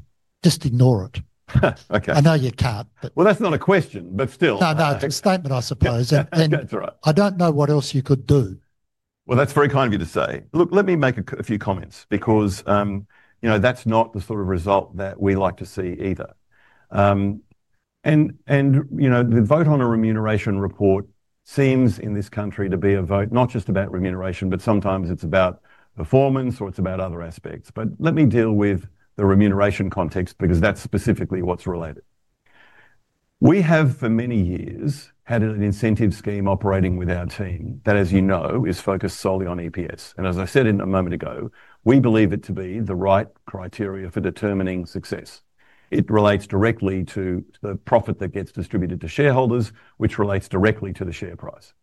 just ignore it. I know you can't, but. That's not a question, but still. No, no, it's a statement, I suppose. That's all right. I don't know what else you could do. That is very kind of you to say. Look, let me make a few comments because that is not the sort of result that we like to see either. The vote on a remuneration report seems in this country to be a vote not just about remuneration, but sometimes it is about performance or it is about other aspects. Let me deal with the remuneration context because that is specifically what is related. We have for many years had an incentive scheme operating with our team that, as you know, is focused solely on EPS. As I said a moment ago, we believe it to be the right criteria for determining success. It relates directly to the profit that gets distributed to shareholders, which relates directly to the share price.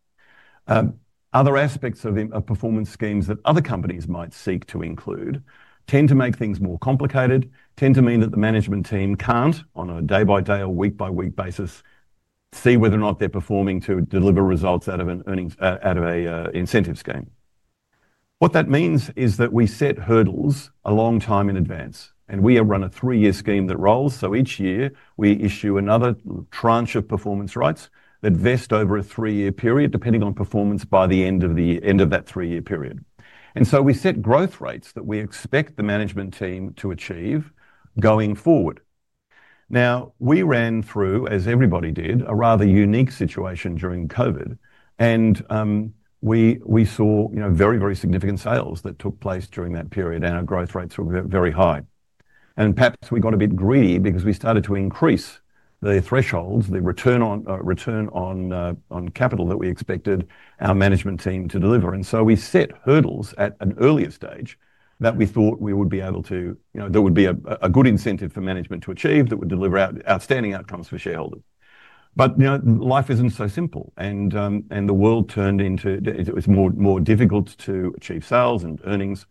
Other aspects of performance schemes that other companies might seek to include tend to make things more complicated, tend to mean that the management team can't, on a day-by-day or week-by-week basis, see whether or not they're performing to deliver results out of an incentive scheme. What that means is that we set hurdles a long time in advance, and we run a three-year scheme that rolls. Each year, we issue another tranche of performance rights that vest over a three-year period, depending on performance by the end of that three-year period. We set growth rates that we expect the management team to achieve going forward. We ran through, as everybody did, a rather unique situation during COVID, and we saw very, very significant sales that took place during that period, and our growth rates were very high. Perhaps we got a bit greedy because we started to increase the thresholds, the return on capital that we expected our management team to deliver. We set hurdles at an earlier stage that we thought we would be able to, that would be a good incentive for management to achieve that would deliver outstanding outcomes for shareholders. Life is not so simple, and the world turned into it was more difficult to achieve sales and earnings.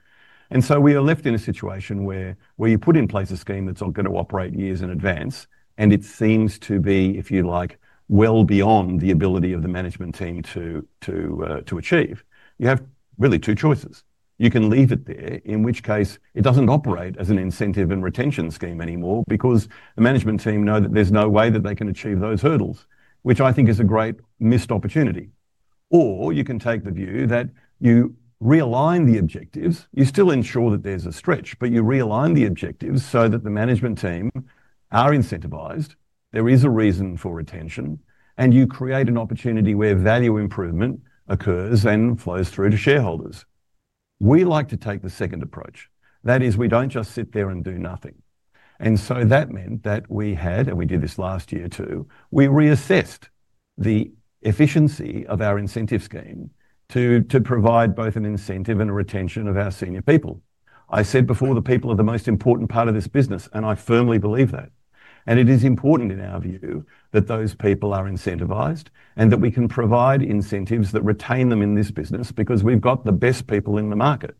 We are left in a situation where you put in place a scheme that is not going to operate years in advance, and it seems to be, if you like, well beyond the ability of the management team to achieve. You have really two choices. You can leave it there, in which case it does not operate as an incentive and retention scheme anymore because the management team know that there is no way that they can achieve those hurdles, which I think is a great missed opportunity. You can take the view that you realign the objectives. You still ensure that there is a stretch, but you realign the objectives so that the management team are incentivized, there is a reason for retention, and you create an opportunity where value improvement occurs and flows through to shareholders. We like to take the second approach. That is, we do not just sit there and do nothing. That meant that we had, and we did this last year too, we reassessed the efficiency of our incentive scheme to provide both an incentive and a retention of our senior people. I said before the people are the most important part of this business, and I firmly believe that. It is important in our view that those people are incentivized and that we can provide incentives that retain them in this business because we've got the best people in the market.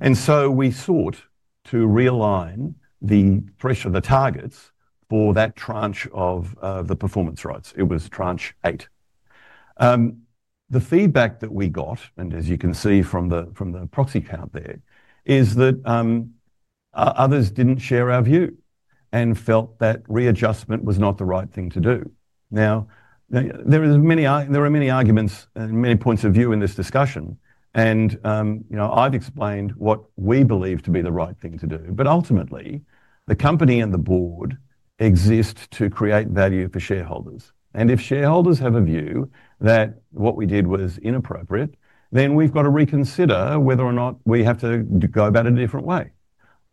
We sought to realign the pressure, the targets for that tranche of the performance rights. It was tranche eight. The feedback that we got, and as you can see from the proxy count there, is that others did not share our view and felt that readjustment was not the right thing to do. There are many arguments and many points of view in this discussion, and I've explained what we believe to be the right thing to do. Ultimately, the company and the board exist to create value for shareholders. If shareholders have a view that what we did was inappropriate, we have to reconsider whether or not we have to go about it a different way.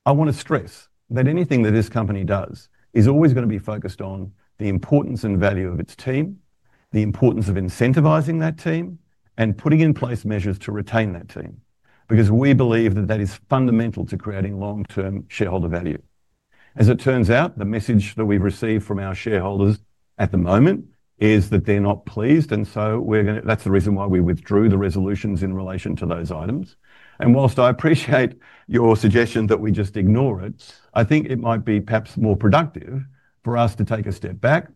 I want to stress that anything that this company does is always going to be focused on the importance and value of its team, the importance of incentivizing that team, and putting in place measures to retain that team because we believe that is fundamental to creating long-term shareholder value. As it turns out, the message that we've received from our shareholders at the moment is that they're not pleased, and that's the reason why we withdrew the resolutions in relation to those items. Whilst I appreciate your suggestion that we just ignore it, I think it might be perhaps more productive for us to take a step back,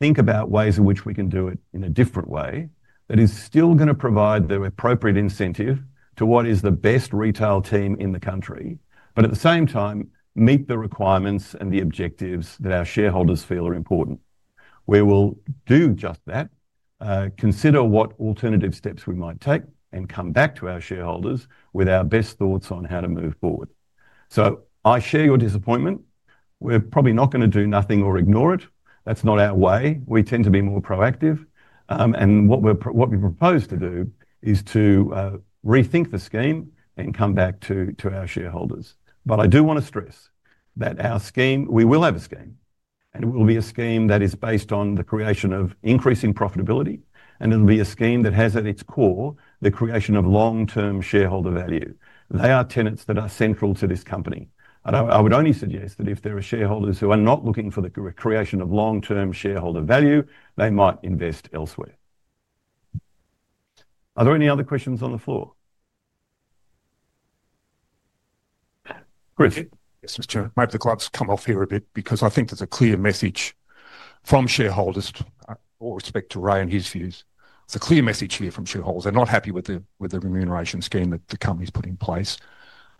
think about ways in which we can do it in a different way that is still going to provide the appropriate incentive to what is the best retail team in the country, but at the same time, meet the requirements and the objectives that our shareholders feel are important. We will do just that, consider what alternative steps we might take, and come back to our shareholders with our best thoughts on how to move forward. I share your disappointment. We're probably not going to do nothing or ignore it. That's not our way. We tend to be more proactive. What we propose to do is to rethink the scheme and come back to our shareholders. I do want to stress that our scheme, we will have a scheme, and it will be a scheme that is based on the creation of increasing profitability, and it'll be a scheme that has at its core the creation of long-term shareholder value. They are tenets that are central to this company. I would only suggest that if there are shareholders who are not looking for the creation of long-term shareholder value, they might invest elsewhere. Are there any other questions on the floor? Chris. Yes, Mr. Chair. Maybe the gloves come off here a bit because I think there's a clear message from shareholders with respect to Ray and his views. There's a clear message here from shareholders. They're not happy with the remuneration scheme that the company's put in place.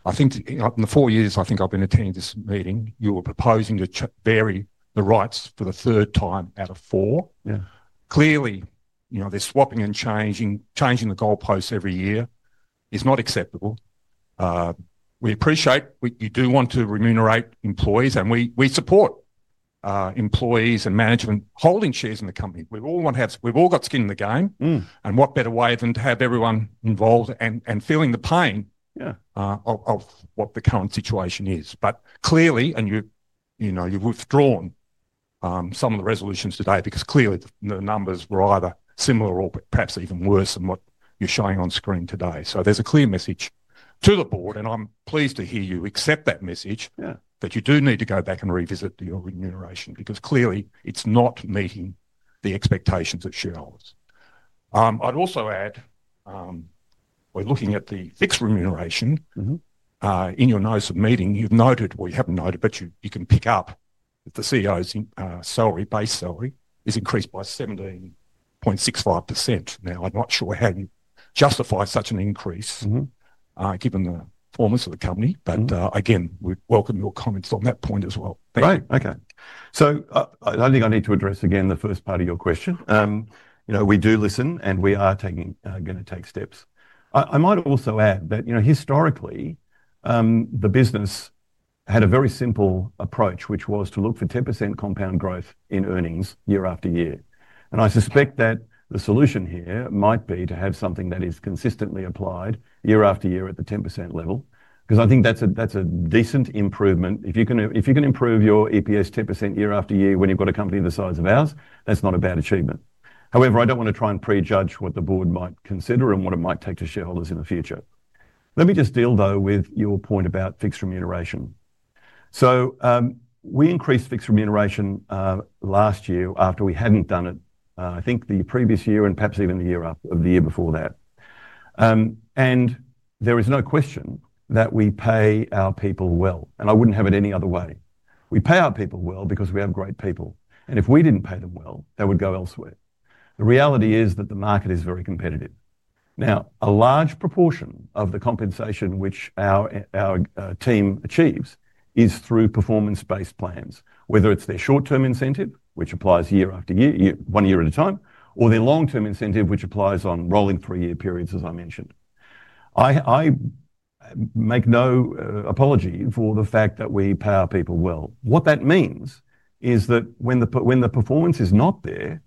I think in the four years I think I've been attending this meeting, you were proposing to vary the rights for the third time out of four. Clearly, they're swapping and changing the goalposts every year. It's not acceptable. We appreciate you do want to remunerate employees, and we support employees and management holding shares in the company. We've all got skin in the game, and what better way than to have everyone involved and feeling the pain of what the current situation is. Clearly, and you've withdrawn some of the resolutions today because clearly the numbers were either similar or perhaps even worse than what you're showing on screen today. There is a clear message to the board, and I'm pleased to hear you accept that message that you do need to go back and revisit your remuneration because clearly it's not meeting the expectations of shareholders. I'd also add, we're looking at the fixed remuneration. In your notice of meeting, you've noted, well, you haven't noted, but you can pick up that the CEO's base salary is increased by 17.65%. Now, I'm not sure how you justify such an increase given the performance of the company, but again, we welcome your comments on that point as well. Right. Okay. I think I need to address again the first part of your question. We do listen, and we are going to take steps. I might also add that historically, the business had a very simple approach, which was to look for 10% compound growth in earnings year after year. I suspect that the solution here might be to have something that is consistently applied year after year at the 10% level because I think that is a decent improvement. If you can improve your EPS 10% year after year when you have a company the size of ours, that is not a bad achievement. However, I do not want to try and prejudge what the board might consider and what it might take to shareholders in the future. Let me just deal, though, with your point about fixed remuneration. We increased fixed remuneration last year after we had not done it, I think the previous year and perhaps even the year before that. There is no question that we pay our people well, and I would not have it any other way. We pay our people well because we have great people. If we did not pay them well, they would go elsewhere. The reality is that the market is very competitive. Now, a large proportion of the compensation which our team achieves is through performance-based plans, whether it is their short-term incentive, which applies year after year, one year at a time, or their long-term incentive, which applies on rolling three-year periods, as I mentioned. I make no apology for the fact that we pay our people well. What that means is that when the performance is not there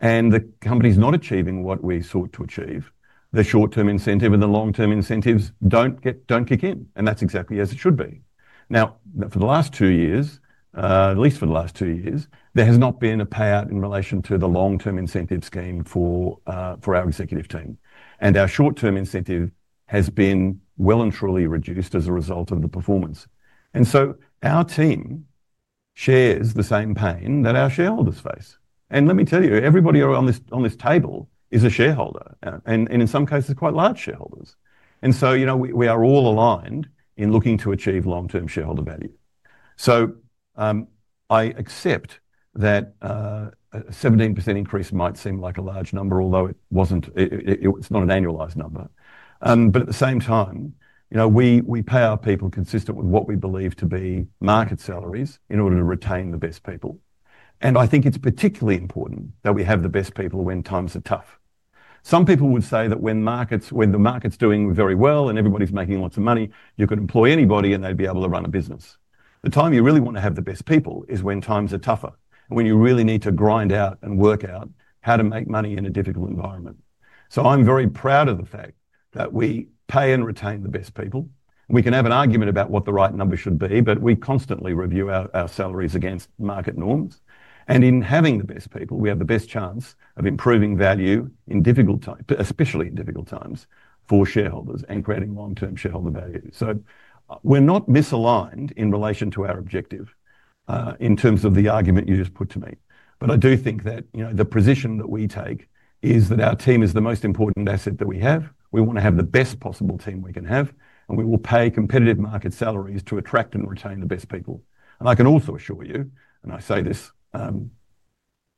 and the company's not achieving what we sought to achieve, the short-term incentive and the long-term incentives do not kick in, and that is exactly as it should be. Now, for the last two years, at least for the last two years, there has not been a payout in relation to the long-term incentive scheme for our executive team. Our short-term incentive has been well and truly reduced as a result of the performance. Our team shares the same pain that our shareholders face. Let me tell you, everybody on this table is a shareholder, and in some cases, quite large shareholders. We are all aligned in looking to achieve long-term shareholder value. I accept that a 17% increase might seem like a large number, although it is not an annualized number. At the same time, we pay our people consistent with what we believe to be market salaries in order to retain the best people. I think it's particularly important that we have the best people when times are tough. Some people would say that when the market's doing very well and everybody's making lots of money, you could employ anybody and they'd be able to run a business. The time you really want to have the best people is when times are tougher and when you really need to grind out and work out how to make money in a difficult environment. I'm very proud of the fact that we pay and retain the best people. We can have an argument about what the right number should be, but we constantly review our salaries against market norms. In having the best people, we have the best chance of improving value in difficult times, especially in difficult times for shareholders and creating long-term shareholder value. We are not misaligned in relation to our objective in terms of the argument you just put to me. I do think that the position that we take is that our team is the most important asset that we have. We want to have the best possible team we can have, and we will pay competitive market salaries to attract and retain the best people. I can also assure you, and I say this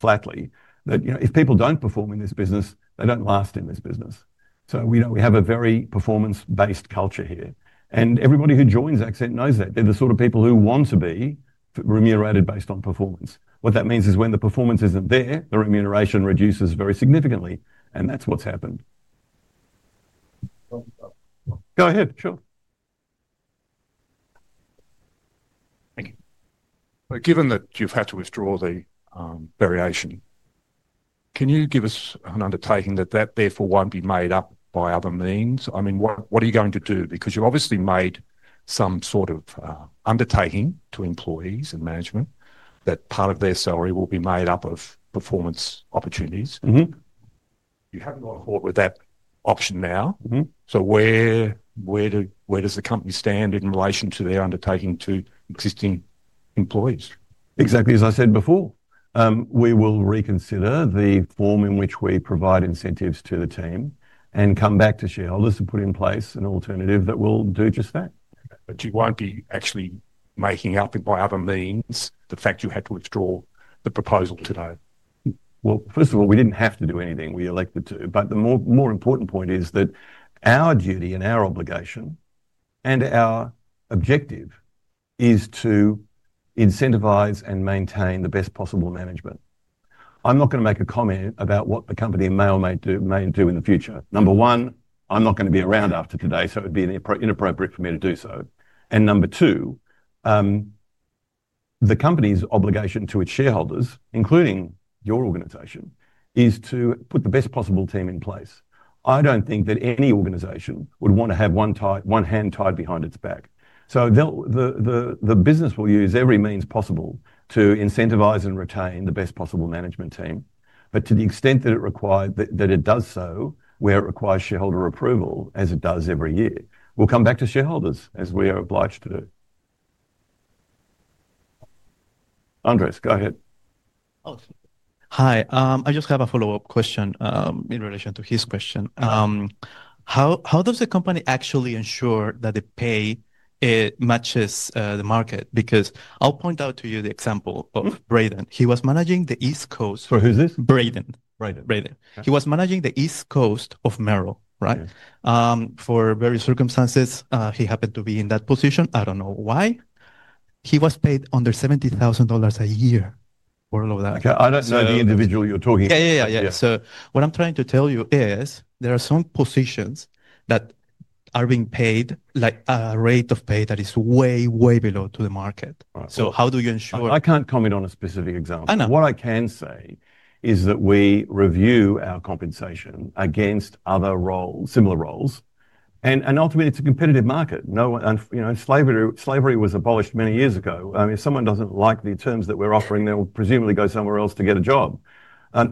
flatly, that if people do not perform in this business, they do not last in this business. We have a very performance-based culture here. Everybody who joins Accent knows that. They are the sort of people who want to be remunerated based on performance. What that means is when the performance isn't there, the remuneration reduces very significantly, and that's what's happened. Go ahead. Sure. Thank you. Given that you've had to withdraw the variation, can you give us an undertaking that that therefore won't be made up by other means? I mean, what are you going to do? Because you've obviously made some sort of undertaking to employees and management that part of their salary will be made up of performance opportunities. You haven't gone forward with that option now. Where does the company stand in relation to their undertaking to existing employees? Exactly as I said before, we will reconsider the form in which we provide incentives to the team and come back to shareholders to put in place an alternative that will do just that. You won't be actually making up by other means the fact you had to withdraw the proposal today? First of all, we did not have to do anything. We elected to. The more important point is that our duty and our obligation and our objective is to incentivize and maintain the best possible management. I am not going to make a comment about what the company may or may do in the future. Number one, I am not going to be around after today, so it would be inappropriate for me to do so. Number two, the company's obligation to its shareholders, including your organization, is to put the best possible team in place. I do not think that any organization would want to have one hand tied behind its back. The business will use every means possible to incentivize and retain the best possible management team. To the extent that it does so, where it requires shareholder approval as it does every year, we'll come back to shareholders as we are obliged to do. Andreas, go ahead. Hi. I just have a follow-up question in relation to his question. How does the company actually ensure that the pay matches the market? Because I'll point out to you the example of Braden. He was managing the East Coast. For who's this? Braden. Braden. Braden. He was managing the East Coast of Merrell, right? For various circumstances, he happened to be in that position. I don't know why. He was paid under 70,000 dollars a year for all of that. Okay. I don't know the individual you're talking about. Yeah, yeah, yeah. What I'm trying to tell you is there are some positions that are being paid at a rate of pay that is way, way below the market. How do you ensure? I can't comment on a specific example. What I can say is that we review our compensation against other similar roles. Ultimately, it's a competitive market. Slavery was abolished many years ago. If someone doesn't like the terms that we're offering, they'll presumably go somewhere else to get a job.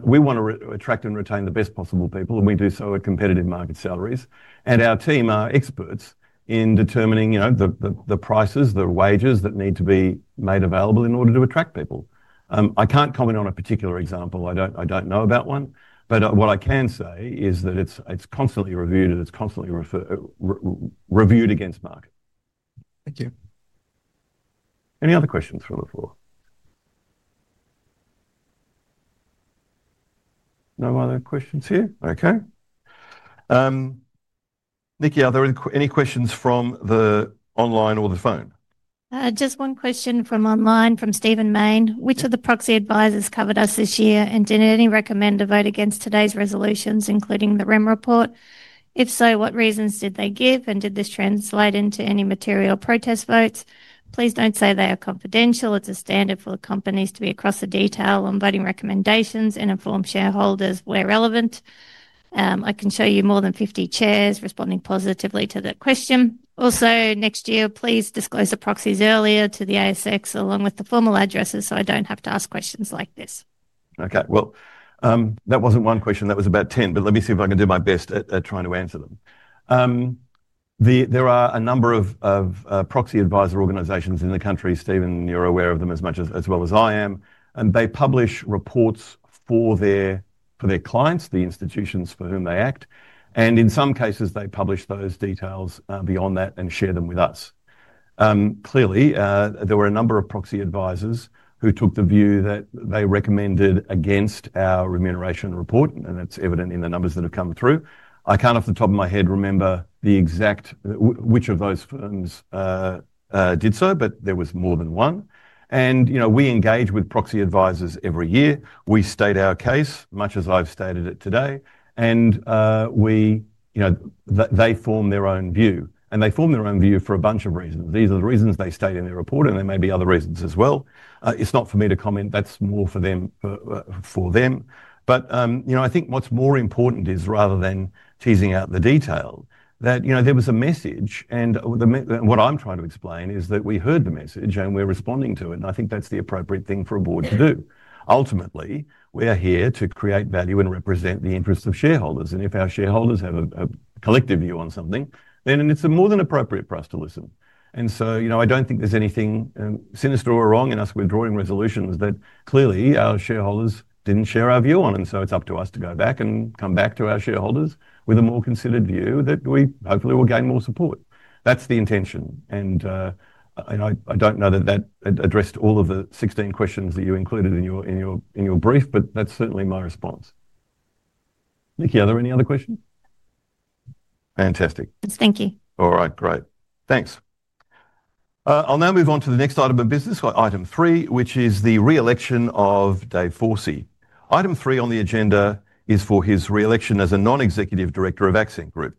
We want to attract and retain the best possible people, and we do so at competitive market salaries. Our team are experts in determining the prices, the wages that need to be made available in order to attract people. I can't comment on a particular example. I don't know about one. What I can say is that it's constantly reviewed and it's constantly reviewed against market. Thank you. Any other questions from the floor? No other questions here? Okay. Nikki, are there any questions from the online or the phone? Just one question from online from Stephen Main. Which of the proxy advisors covered us this year and did any recommend a vote against today's resolutions, including the REM report? If so, what reasons did they give, and did this translate into any material protest votes? Please do not say they are confidential. It is a standard for the companies to be across the detail on voting recommendations and inform shareholders where relevant. I can show you more than 50 chairs responding positively to that question. Also, next year, please disclose the proxies earlier to the ASX along with the formal addresses so I do not have to ask questions like this. Okay. That was not one question. That was about 10, but let me see if I can do my best at trying to answer them. There are a number of proxy advisor organizations in the country. Stephen, you are aware of them as well as I am. They publish reports for their clients, the institutions for whom they act. In some cases, they publish those details beyond that and share them with us. Clearly, there were a number of proxy advisors who took the view that they recommended against our remuneration report, and that is evident in the numbers that have come through. I cannot, off the top of my head, remember which of those firms did so, but there was more than one. We engage with proxy advisors every year. We state our case, much as I have stated it today. They form their own view. They form their own view for a bunch of reasons. These are the reasons they state in their report, and there may be other reasons as well. It is not for me to comment. That is more for them. I think what is more important is, rather than teasing out the detail, that there was a message. What I am trying to explain is that we heard the message, and we are responding to it. I think that is the appropriate thing for a board to do. Ultimately, we are here to create value and represent the interests of shareholders. If our shareholders have a collective view on something, then it is more than appropriate for us to listen. I do not think there is anything sinister or wrong in us withdrawing resolutions that clearly our shareholders did not share our view on. It is up to us to go back and come back to our shareholders with a more considered view that we hopefully will gain more support. That is the intention. I do not know that that addressed all of the 16 questions that you included in your brief, but that is certainly my response. Nikki, are there any other questions? Fantastic. Yes, thank you. All right. Great. Thanks. I'll now move on to the next item of business, item three, which is the reelection of David Forshaw. Item three on the agenda is for his reelection as a Non-Executive Director of Accent Group.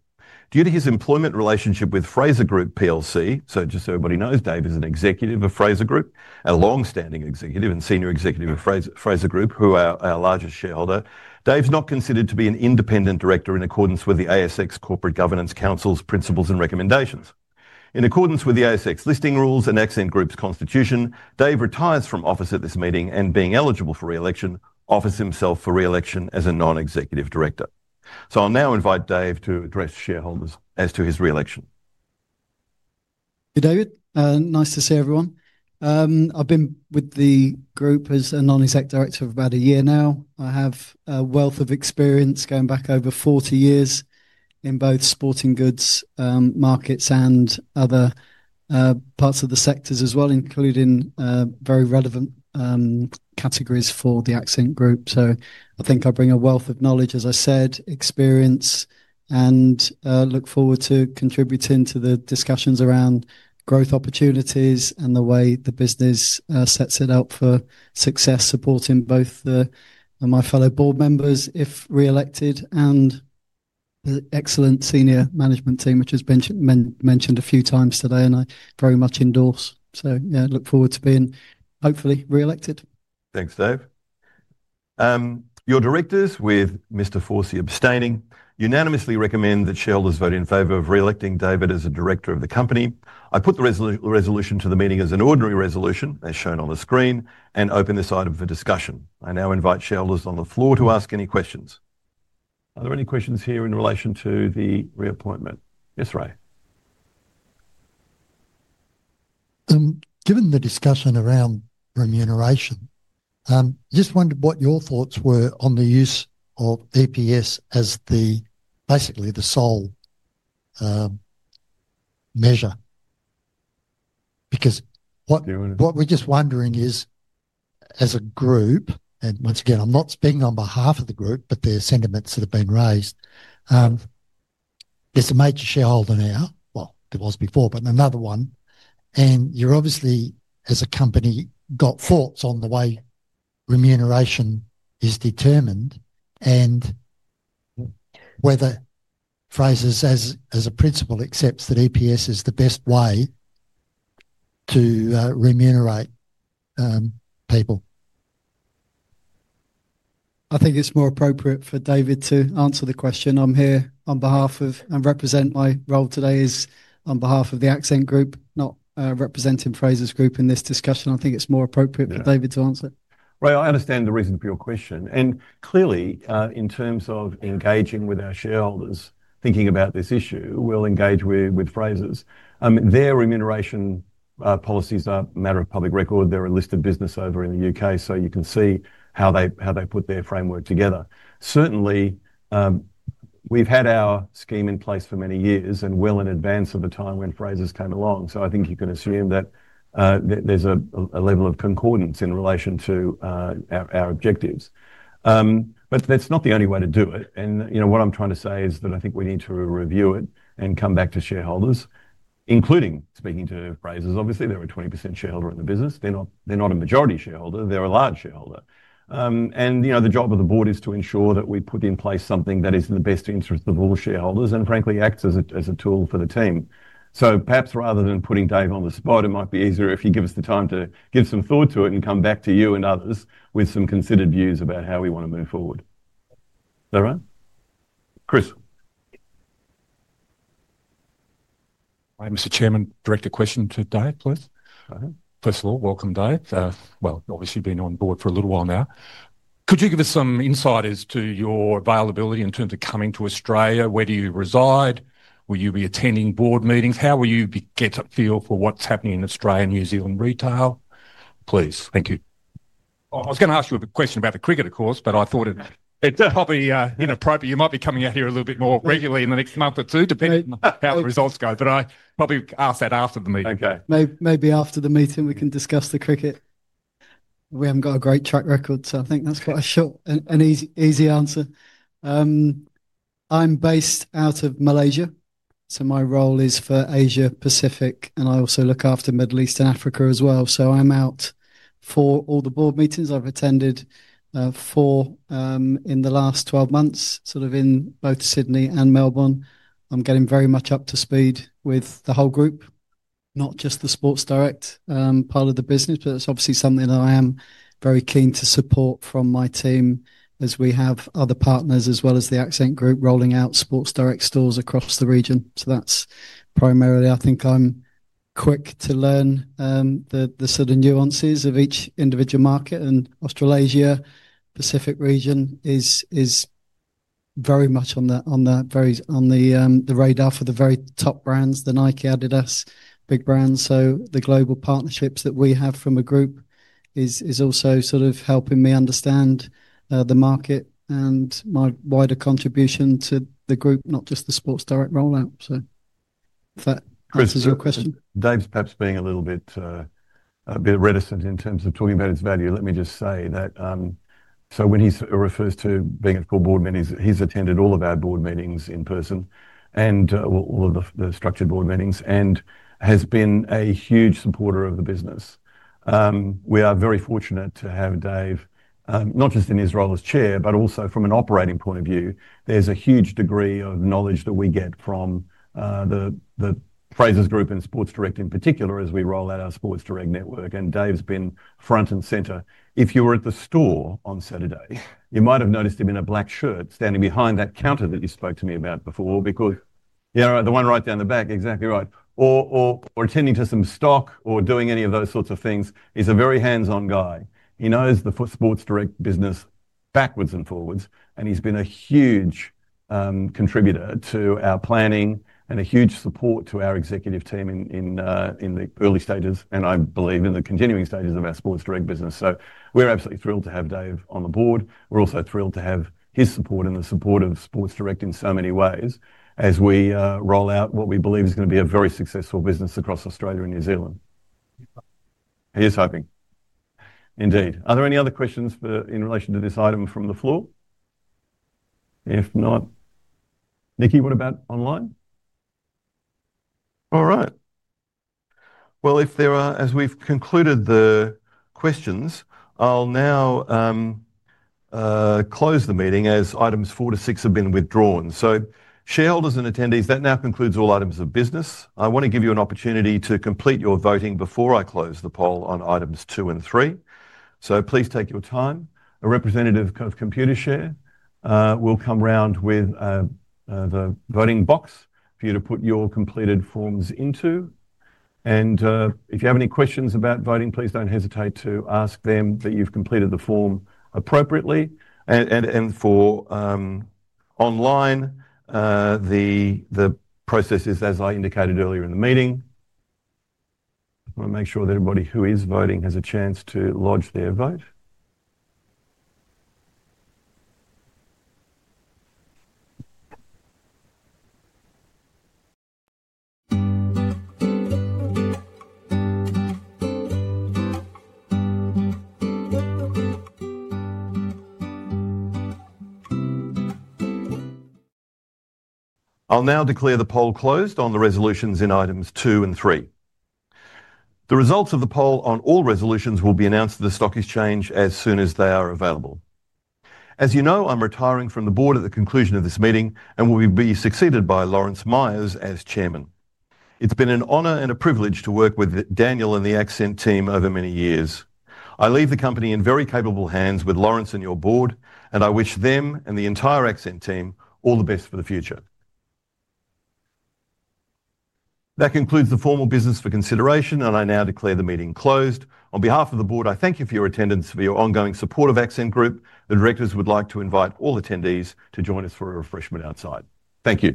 Due to his employment relationship with Frasers Group PLC, just so everybody knows, David is an executive of Frasers Group, a long-standing executive and senior executive of Frasers Group, who are our largest shareholder, David is not considered to be an independent director in accordance with the ASX Corporate Governance Council's principles and recommendations. In accordance with the ASX listing rules and Accent Group's constitution, David retires from office at this meeting and, being eligible for reelection, offers himself for reelection as a Non-Executive Director. I'll now invite David to address shareholders as to his reelection. David, nice to see everyone. I've been with the group as a non-exec director for about a year now. I have a wealth of experience going back over 40 years in both sporting goods markets and other parts of the sectors as well, including very relevant categories for the Accent Group. I think I bring a wealth of knowledge, as I said, experience, and look forward to contributing to the discussions around growth opportunities and the way the business sets it up for success, supporting both my fellow board members, if reelected, and the excellent senior management team, which has been mentioned a few times today, and I very much endorse. I look forward to being hopefully reelected. Thanks, Dave. Your directors, with Mr. Forshaw abstaining, unanimously recommend that shareholders vote in favor of reelecting David as a director of the company. I put the resolution to the meeting as an ordinary resolution, as shown on the screen, and open this item for discussion. I now invite shareholders on the floor to ask any questions. Are there any questions here in relation to the reappointment? Yes, Ray. Given the discussion around remuneration, just wondered what your thoughts were on the use of EPS as basically the sole measure. Because what we're just wondering is, as a group, and once again, I'm not speaking on behalf of the group, but there are sentiments that have been raised. There's a major shareholder now, well, there was before, but another one. And you obviously, as a company, got thoughts on the way remuneration is determined and whether Frasers, as a principle, accepts that EPS is the best way to remunerate people. I think it's more appropriate for David to answer the question. I'm here on behalf of, and represent my role today is on behalf of the Accent Group, not representing Frasers Group in this discussion. I think it's more appropriate for David to answer. Ray, I understand the reason for your question. Clearly, in terms of engaging with our shareholders, thinking about this issue, we will engage with Frasers. Their remuneration policies are a matter of public record. They are a listed business over in the U.K., so you can see how they put their framework together. Certainly, we have had our scheme in place for many years and well in advance of the time when Frasers came along. I think you can assume that there is a level of concordance in relation to our objectives. That is not the only way to do it. What I am trying to say is that I think we need to review it and come back to shareholders, including speaking to Frasers. Obviously, they are a 20% shareholder in the business. They are not a majority shareholder. They are a large shareholder. The job of the board is to ensure that we put in place something that is in the best interest of all shareholders and, frankly, acts as a tool for the team. Perhaps rather than putting Dave on the spot, it might be easier if you give us the time to give some thought to it and come back to you and others with some considered views about how we want to move forward. Is that right? Chris. Hi, Mr. Chairman. Direct a question to Dave, please. First of all, welcome, Dave. Obviously, you've been on board for a little while now. Could you give us some insight as to your availability in terms of coming to Australia? Where do you reside? Will you be attending board meetings? How will you get a feel for what's happening in Australia and New Zealand retail? Please. Thank you. I was going to ask you a question about the cricket, of course, but I thought it's probably inappropriate. You might be coming out here a little bit more regularly in the next month or two, depending on how the results go. I probably ask that after the meeting. Okay. Maybe after the meeting, we can discuss the cricket. We haven't got a great track record, so I think that's quite a short and easy answer. I'm based out of Malaysia, so my role is for Asia-Pacific, and I also look after Middle East and Africa as well. I'm out for all the board meetings. I've attended four in the last 12 months, sort of in both Sydney and Melbourne. I'm getting very much up to speed with the whole group, not just the Sports Direct part of the business, but it's obviously something that I am very keen to support from my team as we have other partners as well as the Accent Group rolling out Sports Direct stores across the region. That's primarily, I think I'm quick to learn the sort of nuances of each individual market. Australasia, Pacific region is very much on the radar for the very top brands, the Nike, Adidas, big brands. The global partnerships that we have from a group is also sort of helping me understand the market and my wider contribution to the group, not just the Sports Direct rollout. If that answers your question. Dave's perhaps being a little bit reticent in terms of talking about his value. Let me just say that when he refers to being at full board meetings, he's attended all of our board meetings in person and all of the structured board meetings and has been a huge supporter of the business. We are very fortunate to have Dave, not just in his role as Chair, but also from an operating point of view. There's a huge degree of knowledge that we get from the Frasers Group and Sports Direct in particular as we roll out our Sports Direct network. Dave's been front and center. If you were at the store on Saturday, you might have noticed him in a black shirt standing behind that counter that you spoke to me about before, because the one right down the back, exactly right. Attending to some stock or doing any of those sorts of things, he's a very hands-on guy. He knows the Sports Direct business backwards and forwards, and he's been a huge contributor to our planning and a huge support to our executive team in the early stages, and I believe in the continuing stages of our Sports Direct business. We are absolutely thrilled to have Dave on the board. We are also thrilled to have his support and the support of Sports Direct in so many ways as we roll out what we believe is going to be a very successful business across Australia and New Zealand. He is hoping. Indeed. Are there any other questions in relation to this item from the floor? If not, Nikki, what about online? All right. If there are, as we've concluded the questions, I'll now close the meeting as items four to six have been withdrawn. Shareholders and attendees, that now concludes all items of business. I want to give you an opportunity to complete your voting before I close the poll on items two and three. Please take your time. A representative of Computershare will come round with the voting box for you to put your completed forms into. If you have any questions about voting, please do not hesitate to ask them that you've completed the form appropriately. For online, the process is, as I indicated earlier in the meeting, I want to make sure that everybody who is voting has a chance to lodge their vote. I'll now declare the poll closed on the resolutions in items two and three. The results of the poll on all resolutions will be announced to the stock exchange as soon as they are available. As you know, I'm retiring from the board at the conclusion of this meeting and will be succeeded by Lawrence Myers as chairman. It's been an honor and a privilege to work with Daniel and the Accent team over many years. I leave the company in very capable hands with Lawrence and your board, and I wish them and the entire Accent team all the best for the future. That concludes the formal business for consideration, and I now declare the meeting closed. On behalf of the board, I thank you for your attendance, for your ongoing support of Accent Group. The directors would like to invite all attendees to join us for a refreshment outside. Thank you.